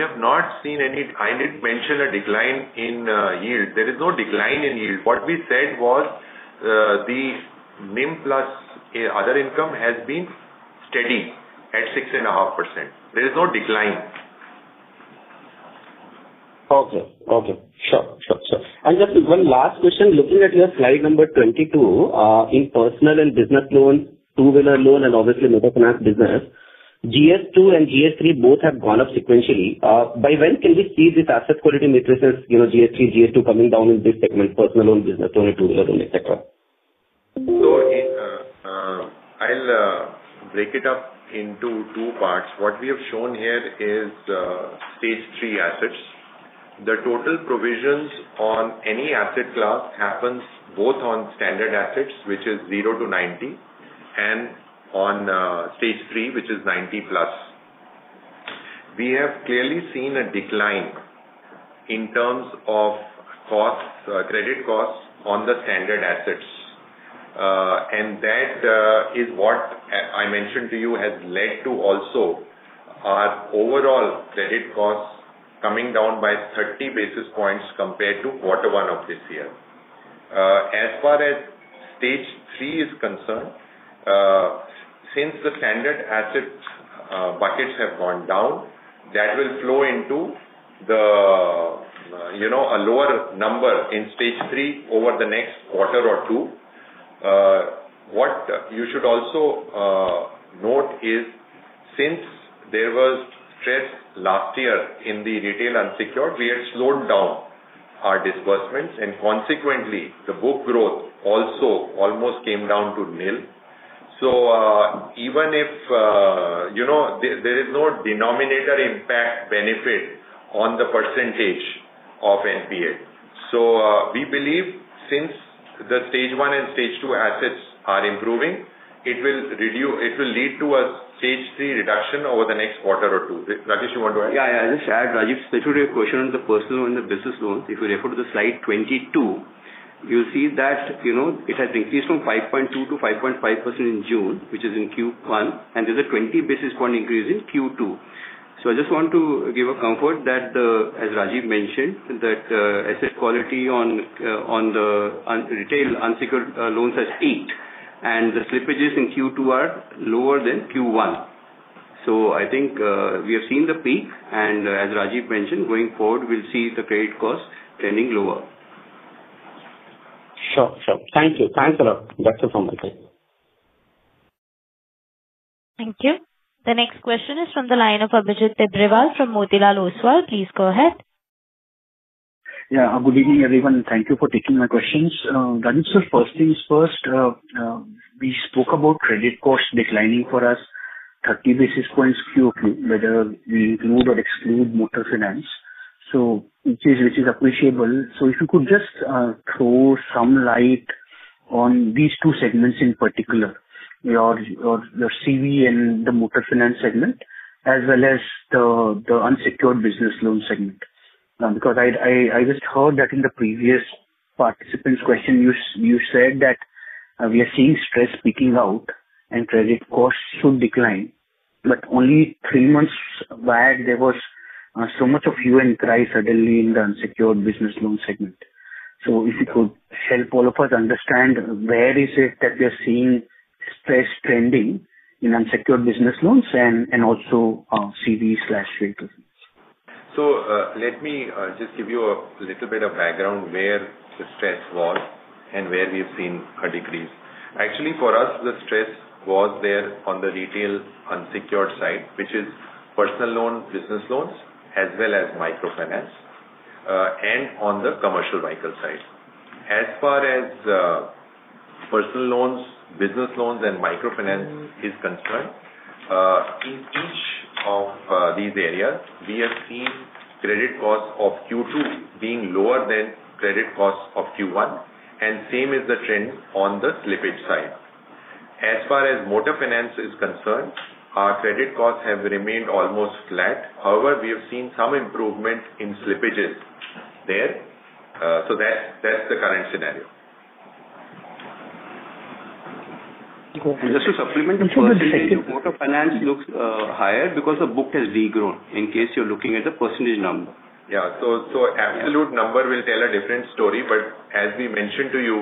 have not seen any. I didn't mention a decline in yield. There is no decline in yield. What we said was the NIM plus other income has been steady at 6.5%. There is no decline. Okay, sure. Just one last question. Looking at your slide number 22, in personal and business loans, two-wheeler loan, and obviously Motors Finance business, GS2 and GS3 both have gone up sequentially. By when can we see these asset quality matrices, GS3, GS2 coming down in this segment, personal loan, business loan, and two-wheeler loan, etc.? I'll break it up into two parts. What we have shown here is stage three assets. The total provisions on any asset class happen both on standard assets, which is 0 to 90, and on stage three, which is 90+. We have clearly seen a decline in terms of costs, credit costs on the standard assets. That is what I mentioned to you has led to also our overall credit costs coming down by 30 basis points compared to quarter one of this year. As far as stage three is concerned, since the standard asset buckets have gone down, that will flow into a lower number in stage three over the next quarter or two. What you should also note is since there was stress last year in the retail unsecured, we had slowed down our disbursements, and consequently, the book growth also almost came down to nil. Even if there is no denominator impact benefit on the percentage of NPA, we believe since the stage one and stage two assets are improving, it will lead to a stage three reduction over the next quarter or two. Rakesh, you want to add? Yeah, I'll just add, Rajiv, special question on the personal and the business loans. If you refer to slide 22, you'll see that it has increased from 5.2%-5.5% in June, which is in Q1, and there's a 20 basis point increase in Q2. I just want to give a comfort that, as Rajiv mentioned, asset quality on the retail unsecured loans has peaked, and the slippages in Q2 are lower than Q1. I think we have seen the peak, and as Rajiv mentioned, going forward, we'll see the credit costs trending lower. Sure, sure. Thank you. Thanks a lot. That's it from my side. Thank you. The next question is from the line of Abhijit Tibrewal from Motilal Oswal. Please go ahead. Yeah, good evening, everyone, and thank you for taking my questions. Rajiv, sir, first things first. We spoke about credit costs declining for us 30 basis points Q2, whether we include or exclude Motors Finance, which is appreciable. If you could just throw some light on these two segments in particular, your CV and the Motors Finance segment, as well as the unsecured business loan segment. I just heard that in the previous participant's question, you said that we are seeing stress peaking out and credit costs should decline. Only three months back, there was so much of hue and cry suddenly in the unsecured business loan segment. If you could help all of us understand where is it that we are seeing stress trending in unsecured business loans and also CV/state loans. Let me just give you a little bit of background where the stress was and where we have seen a decrease. Actually, for us, the stress was there on the retail unsecured side, which is personal loan, business loans, as well as microfinance, and on the commercial vehicle side. As far as personal loans, business loans, and microfinance are concerned, in each of these areas, we have seen credit costs of Q2 being lower than credit costs of Q1, and the same is the trend on the slippage side. As far as Motors Finance is concerned, our credit costs have remained almost flat. However, we have seen some improvement in slippages there. That is the current scenario. Just to supplement, the first and second quarter finance looks higher because the book has regrown, in case you're looking at the percentage number. Yeah, so absolute number will tell a different story. As we mentioned to you,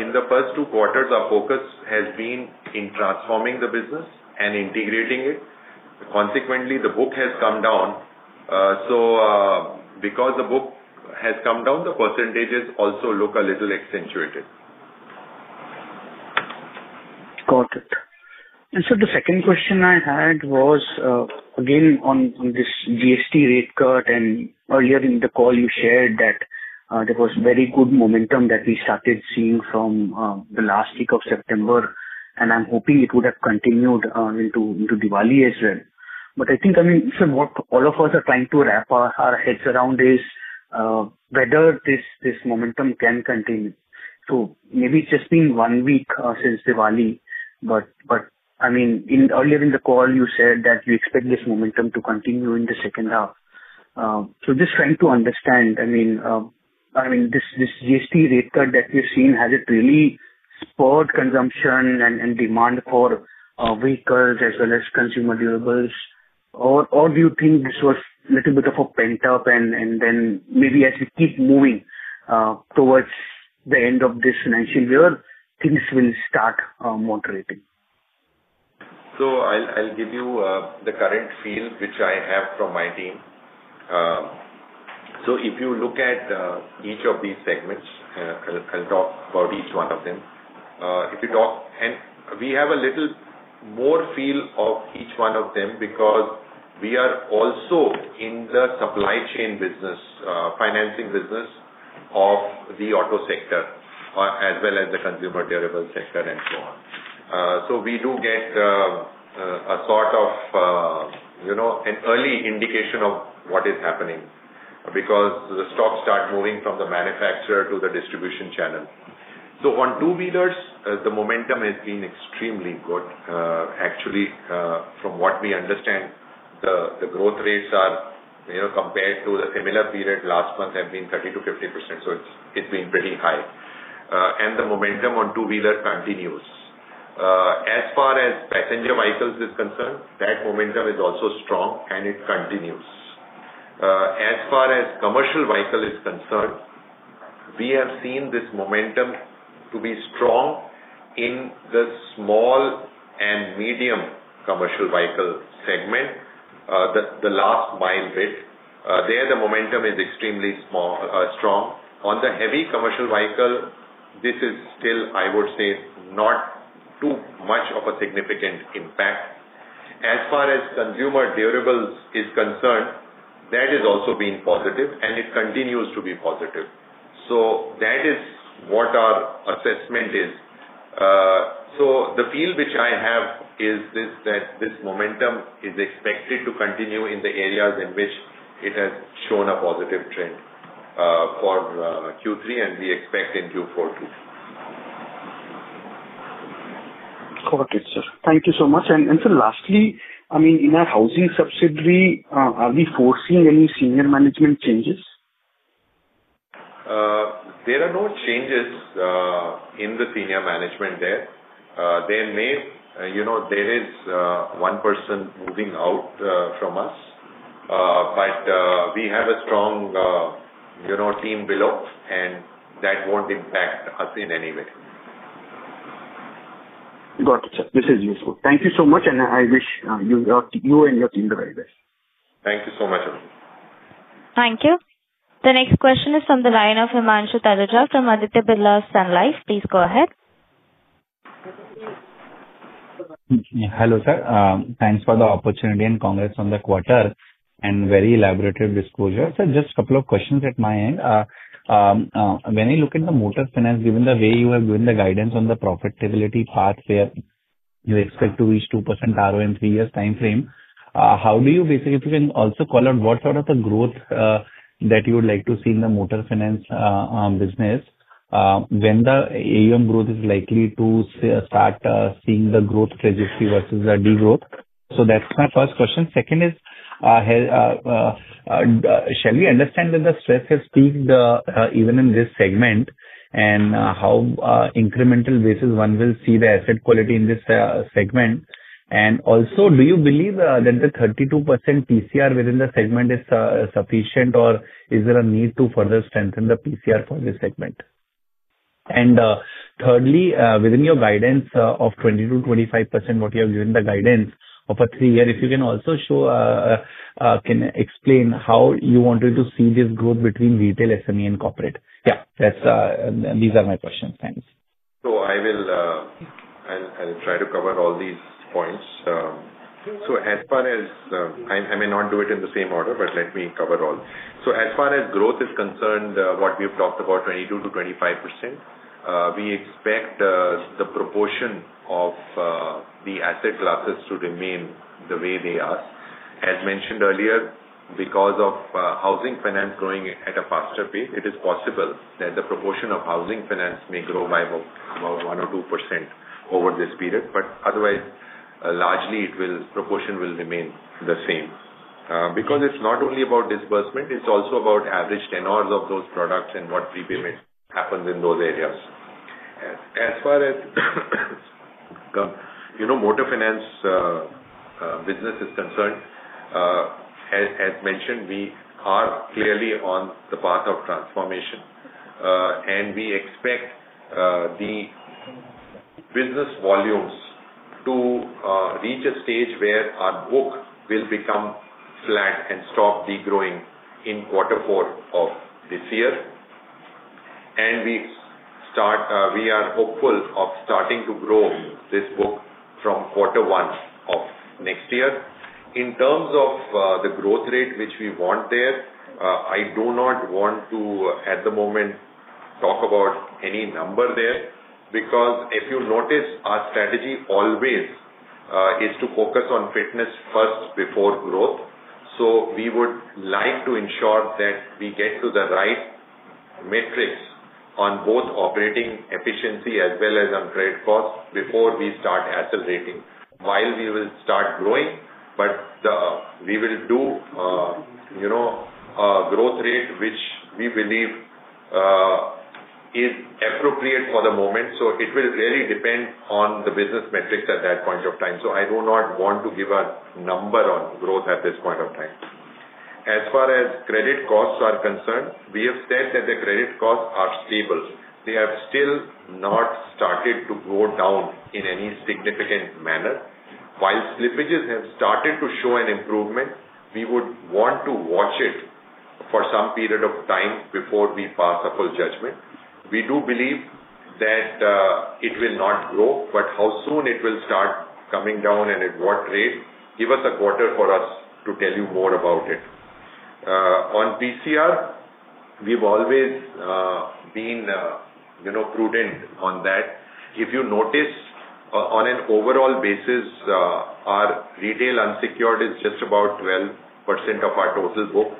in the first two quarters, our focus has been in transforming the business and integrating it. Consequently, the book has come down. Because the book has come down, the percentages also look a little accentuated. Got it. The second question I had was, again, on this GST rate cut. Earlier in the call, you shared that there was very good momentum that we started seeing from the last week of September, and I'm hoping it would have continued into Diwali as well. What all of us are trying to wrap our heads around is whether this momentum can continue. Maybe it's just been one week since Diwali, but earlier in the call, you said that you expect this momentum to continue in the second half. Just trying to understand, this GST rate cut that we've seen, has it really spurred consumption and demand for vehicles as well as consumer durables? Do you think this was a little bit of a pent-up, and then maybe as we keep moving towards the end of this financial year, things will start moderating? I'll give you the current feel which I have from my team. If you look at each of these segments, I'll talk about each one of them. We have a little more feel of each one of them because we are also in the supply chain business, financing business of the auto sector, as well as the consumer durable sector and so on. We do get a sort of early indication of what is happening because the stocks start moving from the manufacturer to the distribution channel. On two-wheelers, the momentum has been extremely good. Actually, from what we understand, the growth rates are, compared to the similar period last month, 30%-50%. It's been pretty high, and the momentum on two-wheeler continues. As far as passenger vehicles is concerned, that momentum is also strong, and it continues. As far as commercial vehicle is concerned, we have seen this momentum to be strong in the small and medium commercial vehicle segment, the last mile width. There, the momentum is extremely strong. On the heavy commercial vehicle, this is still, I would say, not too much of a significant impact. As far as consumer durables is concerned, that has also been positive, and it continues to be positive. That is what our assessment is. The feel which I have is this that this momentum is expected to continue in the areas in which it has shown a positive trend for Q3, and we expect in Q4 too. Got it, sir. Thank you so much. Lastly, in our housing subsidiary, are we foreseeing any senior management changes? There are no changes in the senior management there. There is one person moving out from us, but we have a strong team below, and that won't impact us in any way. Got it, sir. This is useful. Thank you so much, and I wish you and your team the very best. Thank you so much, everyone. Thank you. The next question is from the line of Himanshu Taluja from Aditya Birla Sun Life. Please go ahead. Hello, sir. Thanks for the opportunity and congrats on the quarter and very elaborative disclosure. Sir, just a couple of questions at my end. When I look at the Motors Finance, given the way you have given the guidance on the profitability path where you expect to reach 2% ROA in three years' time frame, how do you basically, if you can also call out, what sort of the growth that you would like to see in the Motors Finance business when the AUM growth is likely to start seeing the growth trajectory versus the degrowth? That's my first question. Second is, shall we understand that the stress has peaked even in this segment, and how incremental basis one will see the asset quality in this segment? Also, do you believe that the 32% provision coverage ratio within the segment is sufficient, or is there a need to further strengthen the provision coverage ratio for this segment? Thirdly, within your guidance of 20%-25%, what you have given the guidance of a three-year, if you can also show, can explain how you wanted to see this growth between retail, SME, and corporate. Yeah, these are my questions. Thanks. I will try to cover all these points. As far as I may not do it in the same order, let me cover all. As far as growth is concerned, what we have talked about, 22%-25%, we expect the proportion of the asset classes to remain the way they are. As mentioned earlier, because of housing finance growing at a faster pace, it is possible that the proportion of housing finance may grow by about 1% or 2% over this period. Otherwise, largely, the proportion will remain the same because it's not only about disbursement. It's also about average tenors of those products and what prepayment happens in those areas. As far as Motors Finance business is concerned, as mentioned, we are clearly on the path of transformation, and we expect the business volumes to reach a stage where our book will become flat and stop degrowing in quarter four of this year. We are hopeful of starting to grow this book from quarter one of next year. In terms of the growth rate which we want there, I do not want to, at the moment, talk about any number there because if you notice, our strategy always is to focus on fitness first before growth. We would like to ensure that we get to the right metrics on both operating efficiency as well as on credit costs before we start accelerating while we will start growing. We will do a growth rate which we believe is appropriate for the moment. It will really depend on the business metrics at that point of time. I do not want to give a number on growth at this point of time. As far as credit costs are concerned, we have said that the credit costs are stable. They have still not started to go down in any significant manner. While slippages have started to show an improvement, we would want to watch it for some period of time before we pass a full judgment. We do believe that it will not grow, but how soon it will start coming down and at what rate, give us a quarter for us to tell you more about it. On PCR, we've always been prudent on that. If you notice, on an overall basis, our retail unsecured is just about 12% of our total book.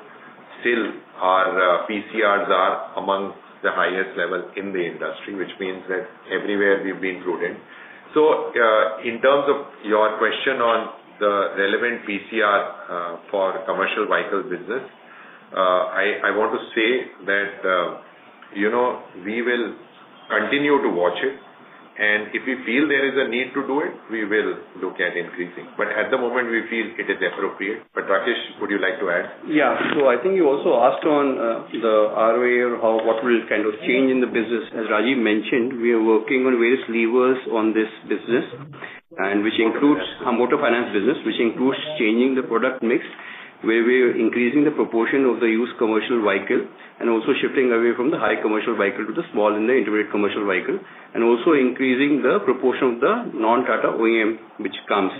Still, our PCRs are among the highest level in the industry, which means that everywhere we've been prudent. In terms of your question on the relevant PCR for commercial vehicle business, I want to say that we will continue to watch it. If we feel there is a need to do it, we will look at increasing. At the moment, we feel it is appropriate. Rakesh, would you like to add? Yeah. I think you also asked on the ROA or what will kind of change in the business. As Rajiv mentioned, we are working on various levers on this business, which includes a Motors Finance business, which includes changing the product mix where we are increasing the proportion of the used commercial vehicle and also shifting away from the high commercial vehicle to the small and the integrated commercial vehicle, and also increasing the proportion of the non-Tata OEM which comes.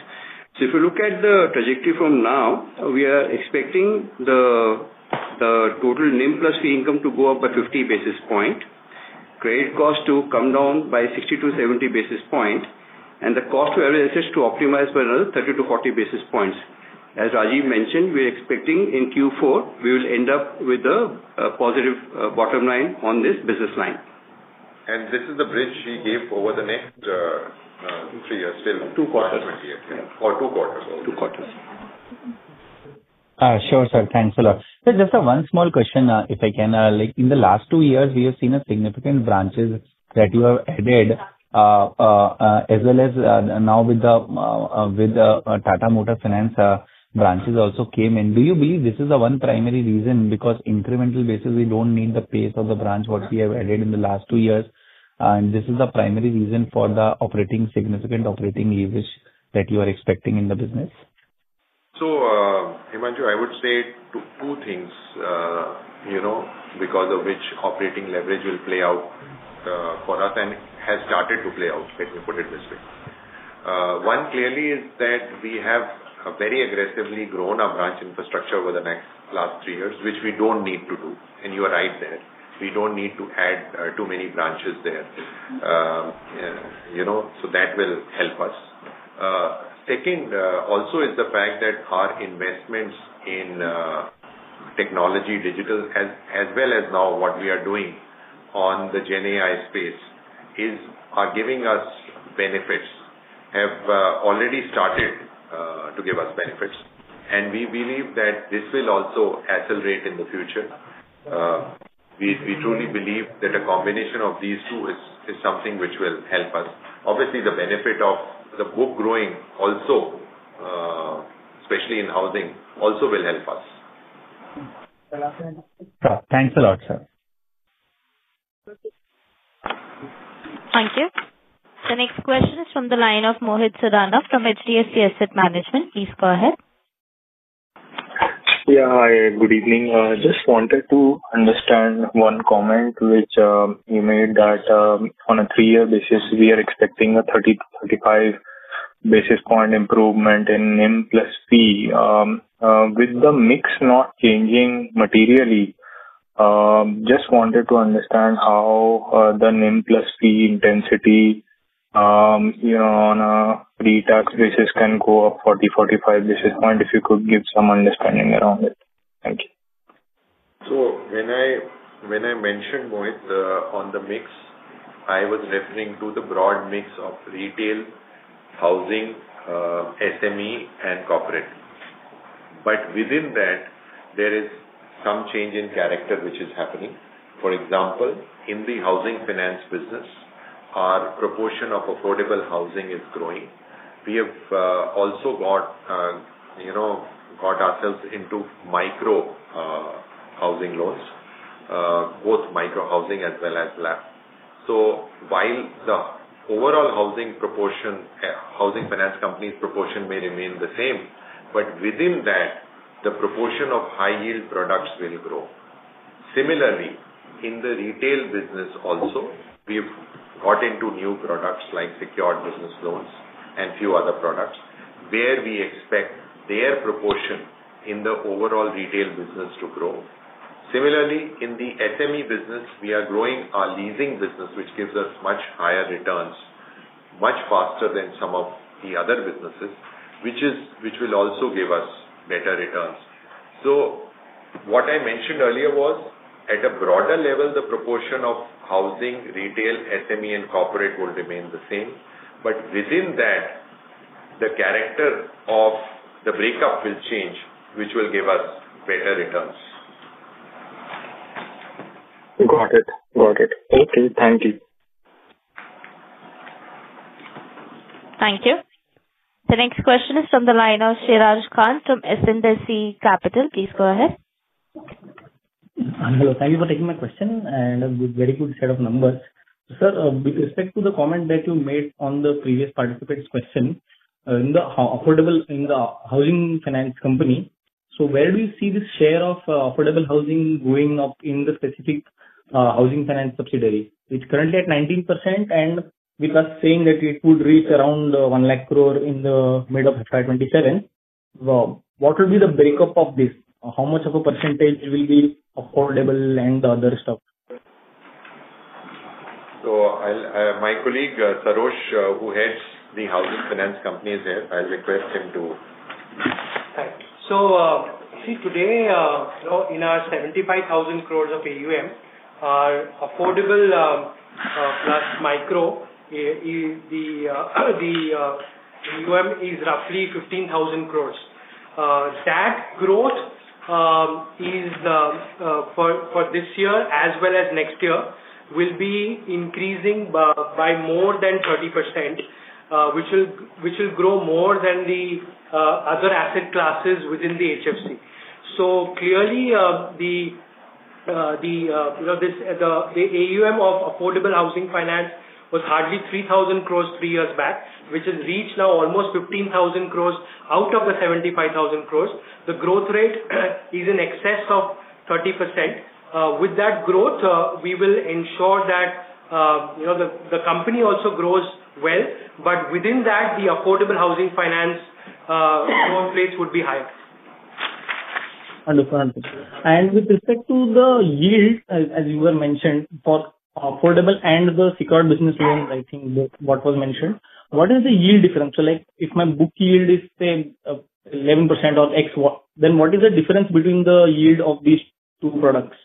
If you look at the trajectory from now, we are expecting the total NIM plus fee income to go up by 50 basis points, credit costs to come down by 60 to 70 basis points, and the cost to every asset to optimize by another 30 to 40 basis points. As Rajiv mentioned, we're expecting in Q4, we will end up with a positive bottom line on this business line. Is this the bridge he gave over the next two or three years, still? Two quarters. Two quarters, sorry. Two quarters. Sure, sir. Thanks a lot. Sir, just one small question, if I can. In the last two years, we have seen a significant branch that you have added, as well as now with the Tata Motors Finance branches also came in. Do you believe this is the one primary reason because incremental basis, we don't need the pace of the branch what we have added in the last two years, and this is the primary reason for the significant operating leverage that you are expecting in the business? I would say two things, you know, because of which operating leverage will play out for us and has started to play out. Let me put it this way. One, clearly, is that we have very aggressively grown our branch infrastructure over the last three years, which we don't need to do. You are right there. We don't need to add too many branches there. That will help us. Second, also, is the fact that our investments in technology, digital, as well as now what we are doing on the Gen AI space, are giving us benefits, have already started to give us benefits. We believe that this will also accelerate in the future. We truly believe that a combination of these two is something which will help us. Obviously, the benefit of the book growing also, especially in housing, also will help us. Thanks a lot, sir. Thank you. The next question is from the line of Mohit Surana from HDFC Asset Management. Please go ahead. Yeah, good evening. I just wanted to understand one comment which you made that on a three-year basis, we are expecting a 30 to 35 bps improvement in NIM plus fee. With the mix not changing materially, I just wanted to understand how the NIM plus fee intensity on a pre-tax basis can go up 40, 45 bps, if you could give some understanding around it. Thank you. When I mentioned Mohit on the mix, I was referring to the broad mix of retail, housing, SME, and corporate. Within that, there is some change in character which is happening. For example, in the housing finance business, our proportion of affordable housing is growing. We have also got ourselves into micro housing loans, both micro housing as well as lab. While the overall housing finance companies' proportion may remain the same, within that, the proportion of high-yield products will grow. Similarly, in the retail business, we have got into new products like secured business loans and a few other products where we expect their proportion in the overall retail business to grow. In the SME business, we are growing our leasing business, which gives us much higher returns, much faster than some of the other businesses, which will also give us better returns. What I mentioned earlier was, at a broader level, the proportion of housing, retail, SME, and corporate will remain the same. Within that, the character of the breakup will change, which will give us better returns. Got it. Got it. Okay. Thank you. Thank you. The next question is from the line of [Shiraj Khan from SNDC Capital]. Please go ahead. Hello. Thank you for taking my question and a very good set of numbers. Sir, with respect to the comment that you made on the previous participant's question in the affordable in the housing finance company, where do you see this share of affordable housing going up in the specific housing finance subsidiary? It's currently at 19%, and with us saying that it would reach around 1 lakh crore in the mid of FY 2027, what will be the breakup of this? How much of a percentage will be affordable and the other stuff? My colleague Sarosh, who heads the Housing Finance companies here, I'll request him to. Thanks. Today, in our 75,000 crores of AUM, our affordable plus micro, the AUM is roughly 15,000 crores. That growth for this year as well as next year will be increasing by more than 30%, which will grow more than the other asset classes within the HFC. Clearly, the AUM of affordable housing finance was hardly 3,000 crores three years back, which has reached now almost 15,000 crores out of the 75,000 crores. The growth rate is in excess of 30%. With that growth, we will ensure that the company also grows well. Within that, the affordable housing loans, for claims would be higher. Understood. With respect to the yield, as you mentioned, for affordable housing loans and the secured business loans, I think what was mentioned, what is the yield difference? If my book yield is, say, 11% or X, what is the difference between the yield of these two products?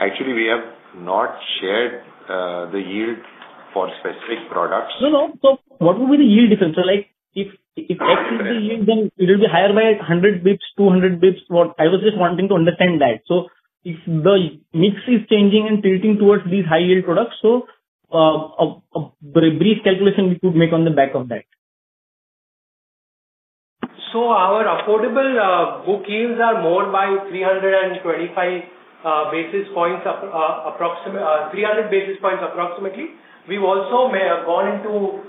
Actually, we have not shared the yield for specific products. What would be the yield difference? If X is the yield, will it be higher by 100 bps or 200 bps? I was just wanting to understand that. If the mix is changing and tilting towards these high-yield products, a brief calculation we could make on the back of that. affordable housing loans book yields are more by 325 basis points, approximately 300 basis points. We've also got into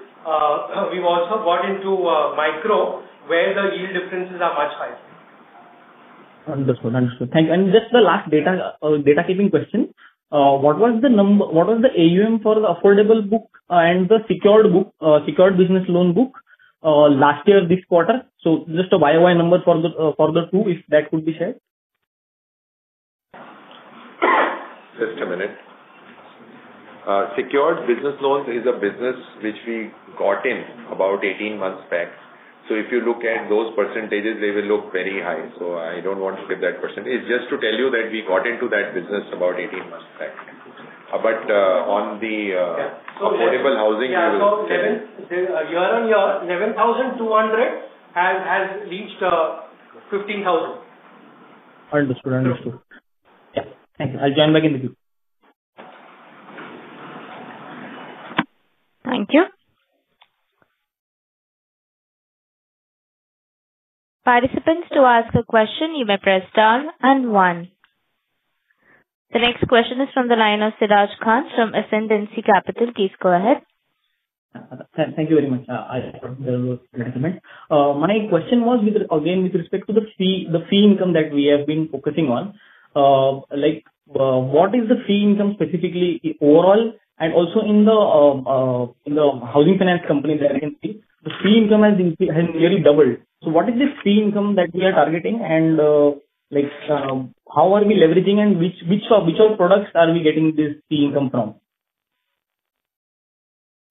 micro where the yield differences are much higher. Understood. Thank you. Just the last data keeping question, what was the number, what was the AUM for the affordable book and the secured business loan book last year, this quarter? Just a YoY number for the two, if that could be shared. Just a minute. Secured business loans is a business which we got in about 18 months back. If you look at those percentages, they will look very high. I don't want to give that percentage. It's just to tell you that we got into that business about 18 months back. On the affordable housing, we will. You are on your 11,200 has reached 15,000. Understood. Thank you. I'll join back in the group. Thank you. Participants, to ask a question, you may press star and one. The next question is from the line of [Siraj Khan from SNDC Capital]. Please go ahead. Thank you very much. My question was with respect to the fee income that we have been focusing on. What is the fee income specifically overall? Also, in the housing finance company that I can see, the fee income has nearly doubled. What is the fee income that we are targeting? How are we leveraging, and which products are we getting this fee income from?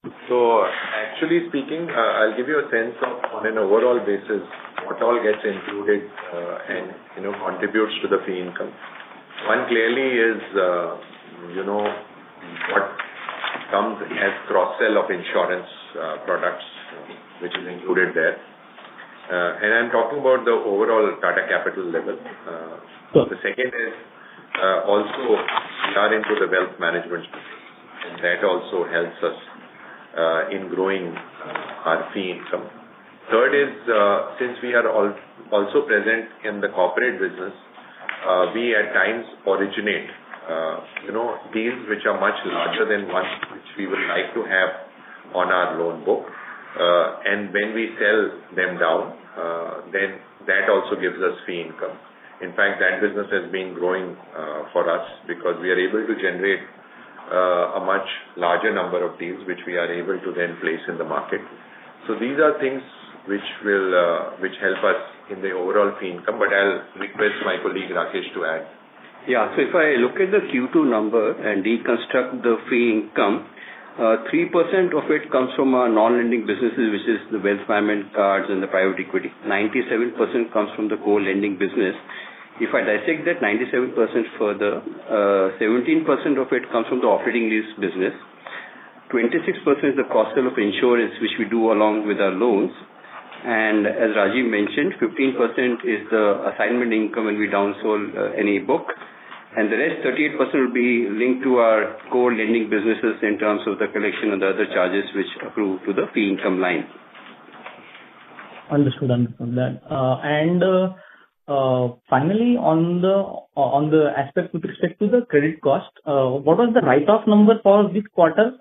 Actually speaking, I'll give you a sense of, on an overall basis, what all gets included and, you know, contributes to the fee income. One clearly is, you know, what comes as cross-sell of insurance products, which is included there. I'm talking about the overall Tata Capital level. The second is, also we are into the wealth management business, and that also helps us in growing our fee income. Third is, since we are also present in the corporate business, we at times originate, you know, deals which are much larger than what we would like to have on our loan book, and when we sell them down, then that also gives us fee income. In fact, that business has been growing for us because we are able to generate a much larger number of deals which we are able to then place in the market. These are things which help us in the overall fee income. I'll request my colleague Rakesh to add. Yeah. If I look at the Q2 number and deconstruct the fee income, 3% of it comes from our non-lending businesses, which is the wealth management cards and the private equity. 97% comes from the core lending business. If I dissect that 97% further, 17% of it comes from the operating lease business. 26% is the cross-sell of insurance, which we do along with our loans. As Rajiv mentioned, 15% is the assignment income when we downsell any book. The rest, 38%, would be linked to our core lending businesses in terms of the collection of the other charges which accrue to the fee income line. Understood. Finally, on the aspect with respect to the credit cost, what was the write-off number for this quarter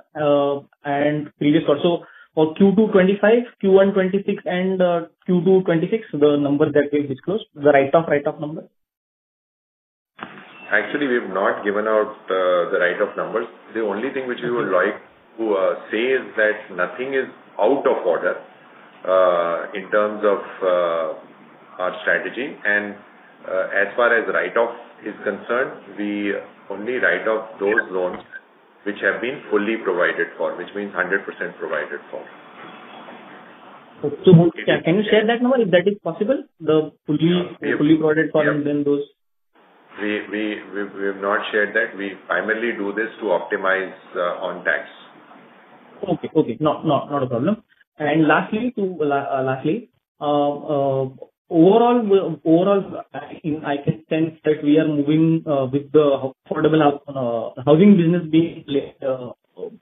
and previous quarter? For Q2 2025, Q1 2026, and Q2 2026, the number that we've disclosed, the write-off number? Actually, we've not given out the write-off numbers. The only thing which we would like to say is that nothing is out of order in terms of our strategy. As far as write-off is concerned, we only write off those loans which have been fully provided for, which means 100% provided for. Can you share that number if that is possible? The fully provided for and then those. We have not shared that. We primarily do this to optimize on tax. Okay. Not a problem. Lastly, overall, I can sense that we are moving, with the affordable housing business being a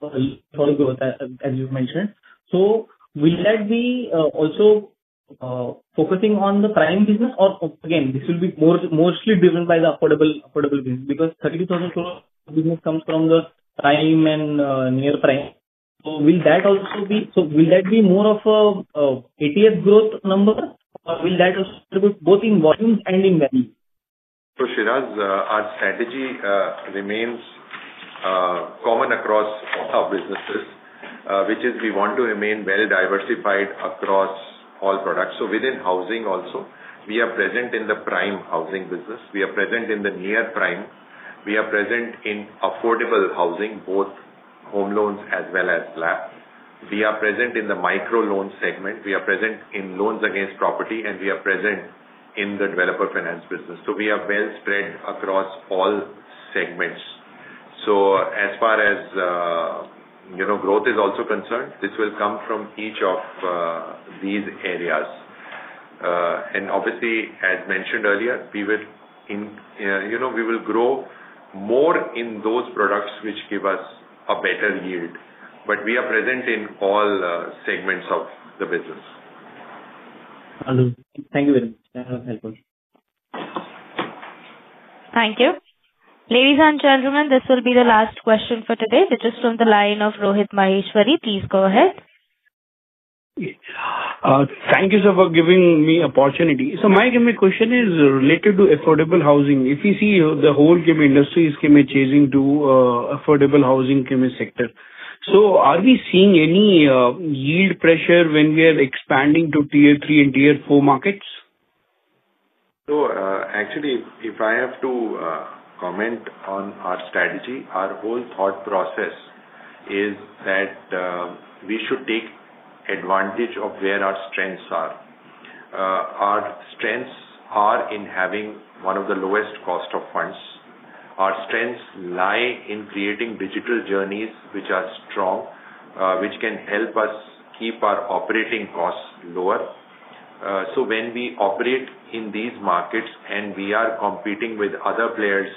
little bit as you mentioned. Will that be also focusing on the prime business? Or will this be mostly driven by the affordable business because 30,000 crore total business comes from the prime and near prime. Will that be more of an ATS growth number, or will that also contribute both in volume and in value? Our strategy remains common across all our businesses, which is we want to remain well diversified across all products. Within housing also, we are present in the prime housing business, we are present in the near prime, we are present in affordable housing, both home loans as well as flat. We are present in the micro loan segment, we are present in loans against property, and we are present in the developer finance business. We are well spread across all segments. As far as growth is also concerned, this will come from each of these areas. Obviously, as mentioned earlier, we will grow more in those products which give us a better yield. We are present in all segments of the business. Thank you very much. That was helpful. Thank you. Ladies and gentlemen, this will be the last question for today. This is from the line of [Rohit Maheshwari]. Please go ahead. Thank you, sir, for giving me an opportunity. My question is related to affordable housing. If you see, the whole industry is chasing the affordable housing sector. Are we seeing any yield pressure when we are expanding to tier three and tier four markets? If I have to comment on our strategy, our whole thought process is that we should take advantage of where our strengths are. Our strengths are in having one of the lowest cost of funds. Our strengths lie in creating digital journeys, which are strong, which can help us keep our operating costs lower. When we operate in these markets and we are competing with other players,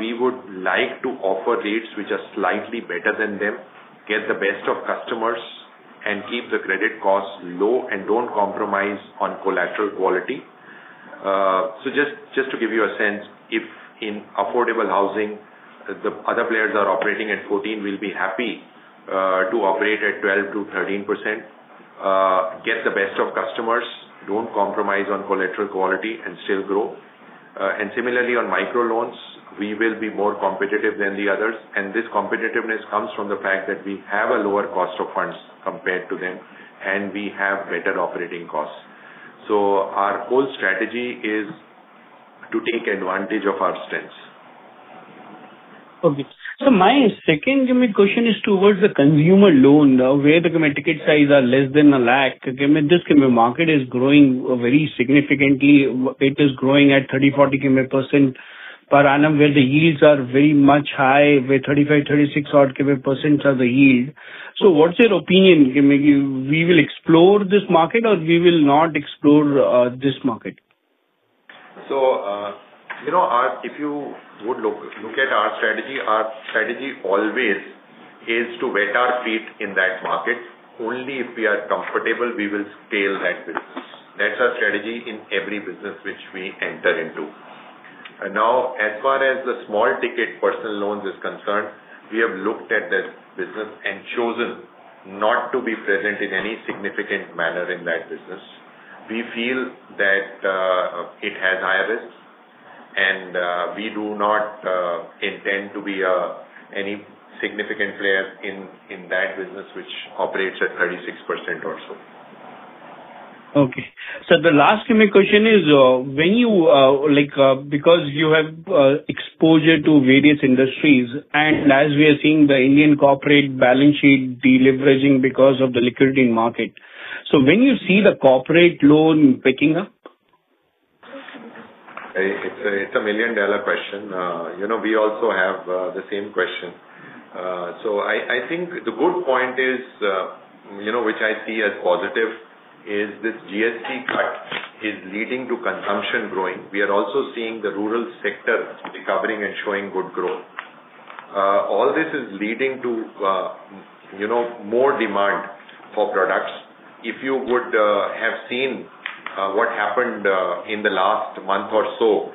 we would like to offer rates which are slightly better than them, get the best of customers, and keep the credit costs low and don't compromise on collateral quality. Just to give you a sense, if in affordable housing, the other players are operating at 14%, we'll be happy to operate at 12%-13%, get the best of customers, don't compromise on collateral quality, and still grow. Similarly, on microloans, we will be more competitive than the others. This competitiveness comes from the fact that we have a lower cost of funds compared to them, and we have better operating costs. Our whole strategy is to take advantage of our strengths. Okay. My second question is towards the consumer loan where the ticket size is less than 100,000. This market is growing very significantly. It is growing at 30%-40% per annum, where the yields are very much high, where 35%-36% odd percent of the yield. What's your opinion? Will we explore this market or will we not explore this market? If you would look at our strategy, our strategy always is to wet our feet in that market. Only if we are comfortable, we will scale that business. That's our strategy in every business which we enter into. As far as the small ticket personal loans are concerned, we have looked at this business and chosen not to be present in any significant manner in that business. We feel that it has higher risks, and we do not intend to be any significant players in that business which operates at 36% or so. Okay. The last question is, when you, because you have exposure to various industries and as we are seeing the Indian corporate balance sheet deleveraging because of the liquidity in the market, when do you see the corporate loan picking up? It's a million-dollar question. You know, we also have the same question. I think the good point is, you know, which I see as positive, is this GST cut is leading to consumption growing. We are also seeing the rural sector recovering and showing good growth. All this is leading to, you know, more demand for products. If you would have seen what happened in the last month or so,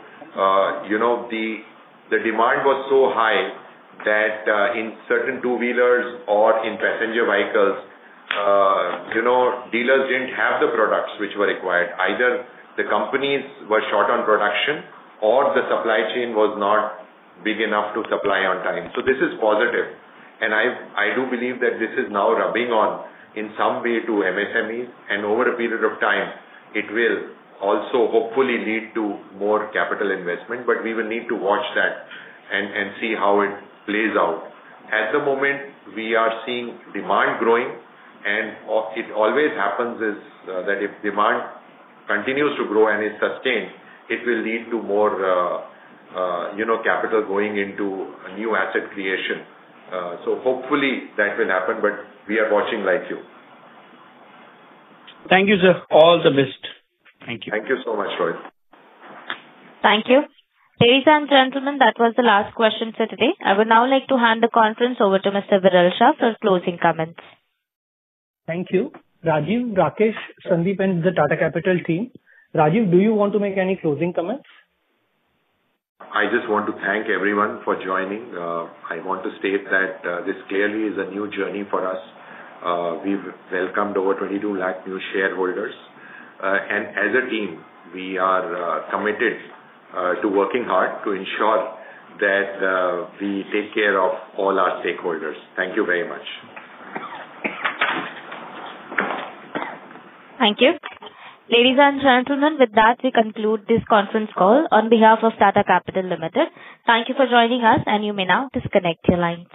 you know, the demand was so high that, in certain two-wheelers or in passenger vehicles, dealers didn't have the products which were required. Either the companies were short on production or the supply chain was not big enough to supply on time. This is positive. I do believe that this is now rubbing on in some way to MSMEs. Over a period of time, it will also hopefully lead to more capital investment. We will need to watch that and see how it plays out. At the moment, we are seeing demand growing. It always happens that if demand continues to grow and is sustained, it will lead to more, you know, capital going into new asset creation. Hopefully, that will happen. We are watching like you. Thank you, sir. All the best. Thank you. Thank you so much. Thank you. Ladies and gentlemen, that was the last question for today. I would now like to hand the conference over to Mr. Viral Shah for closing comments. Thank you. Rajiv, Rakesh, Sandeep, and the Tata Capital team. Rajiv, do you want to make any closing comments? I just want to thank everyone for joining. I want to state that this clearly is a new journey for us. We've welcomed over 2.2 million new shareholders, and as a team, we are committed to working hard to ensure that we take care of all our stakeholders. Thank you very much. Thank you. Ladies and gentlemen, with that, we conclude this conference call on behalf of Tata Capital Limited. Thank you for joining us. You may now disconnect your line.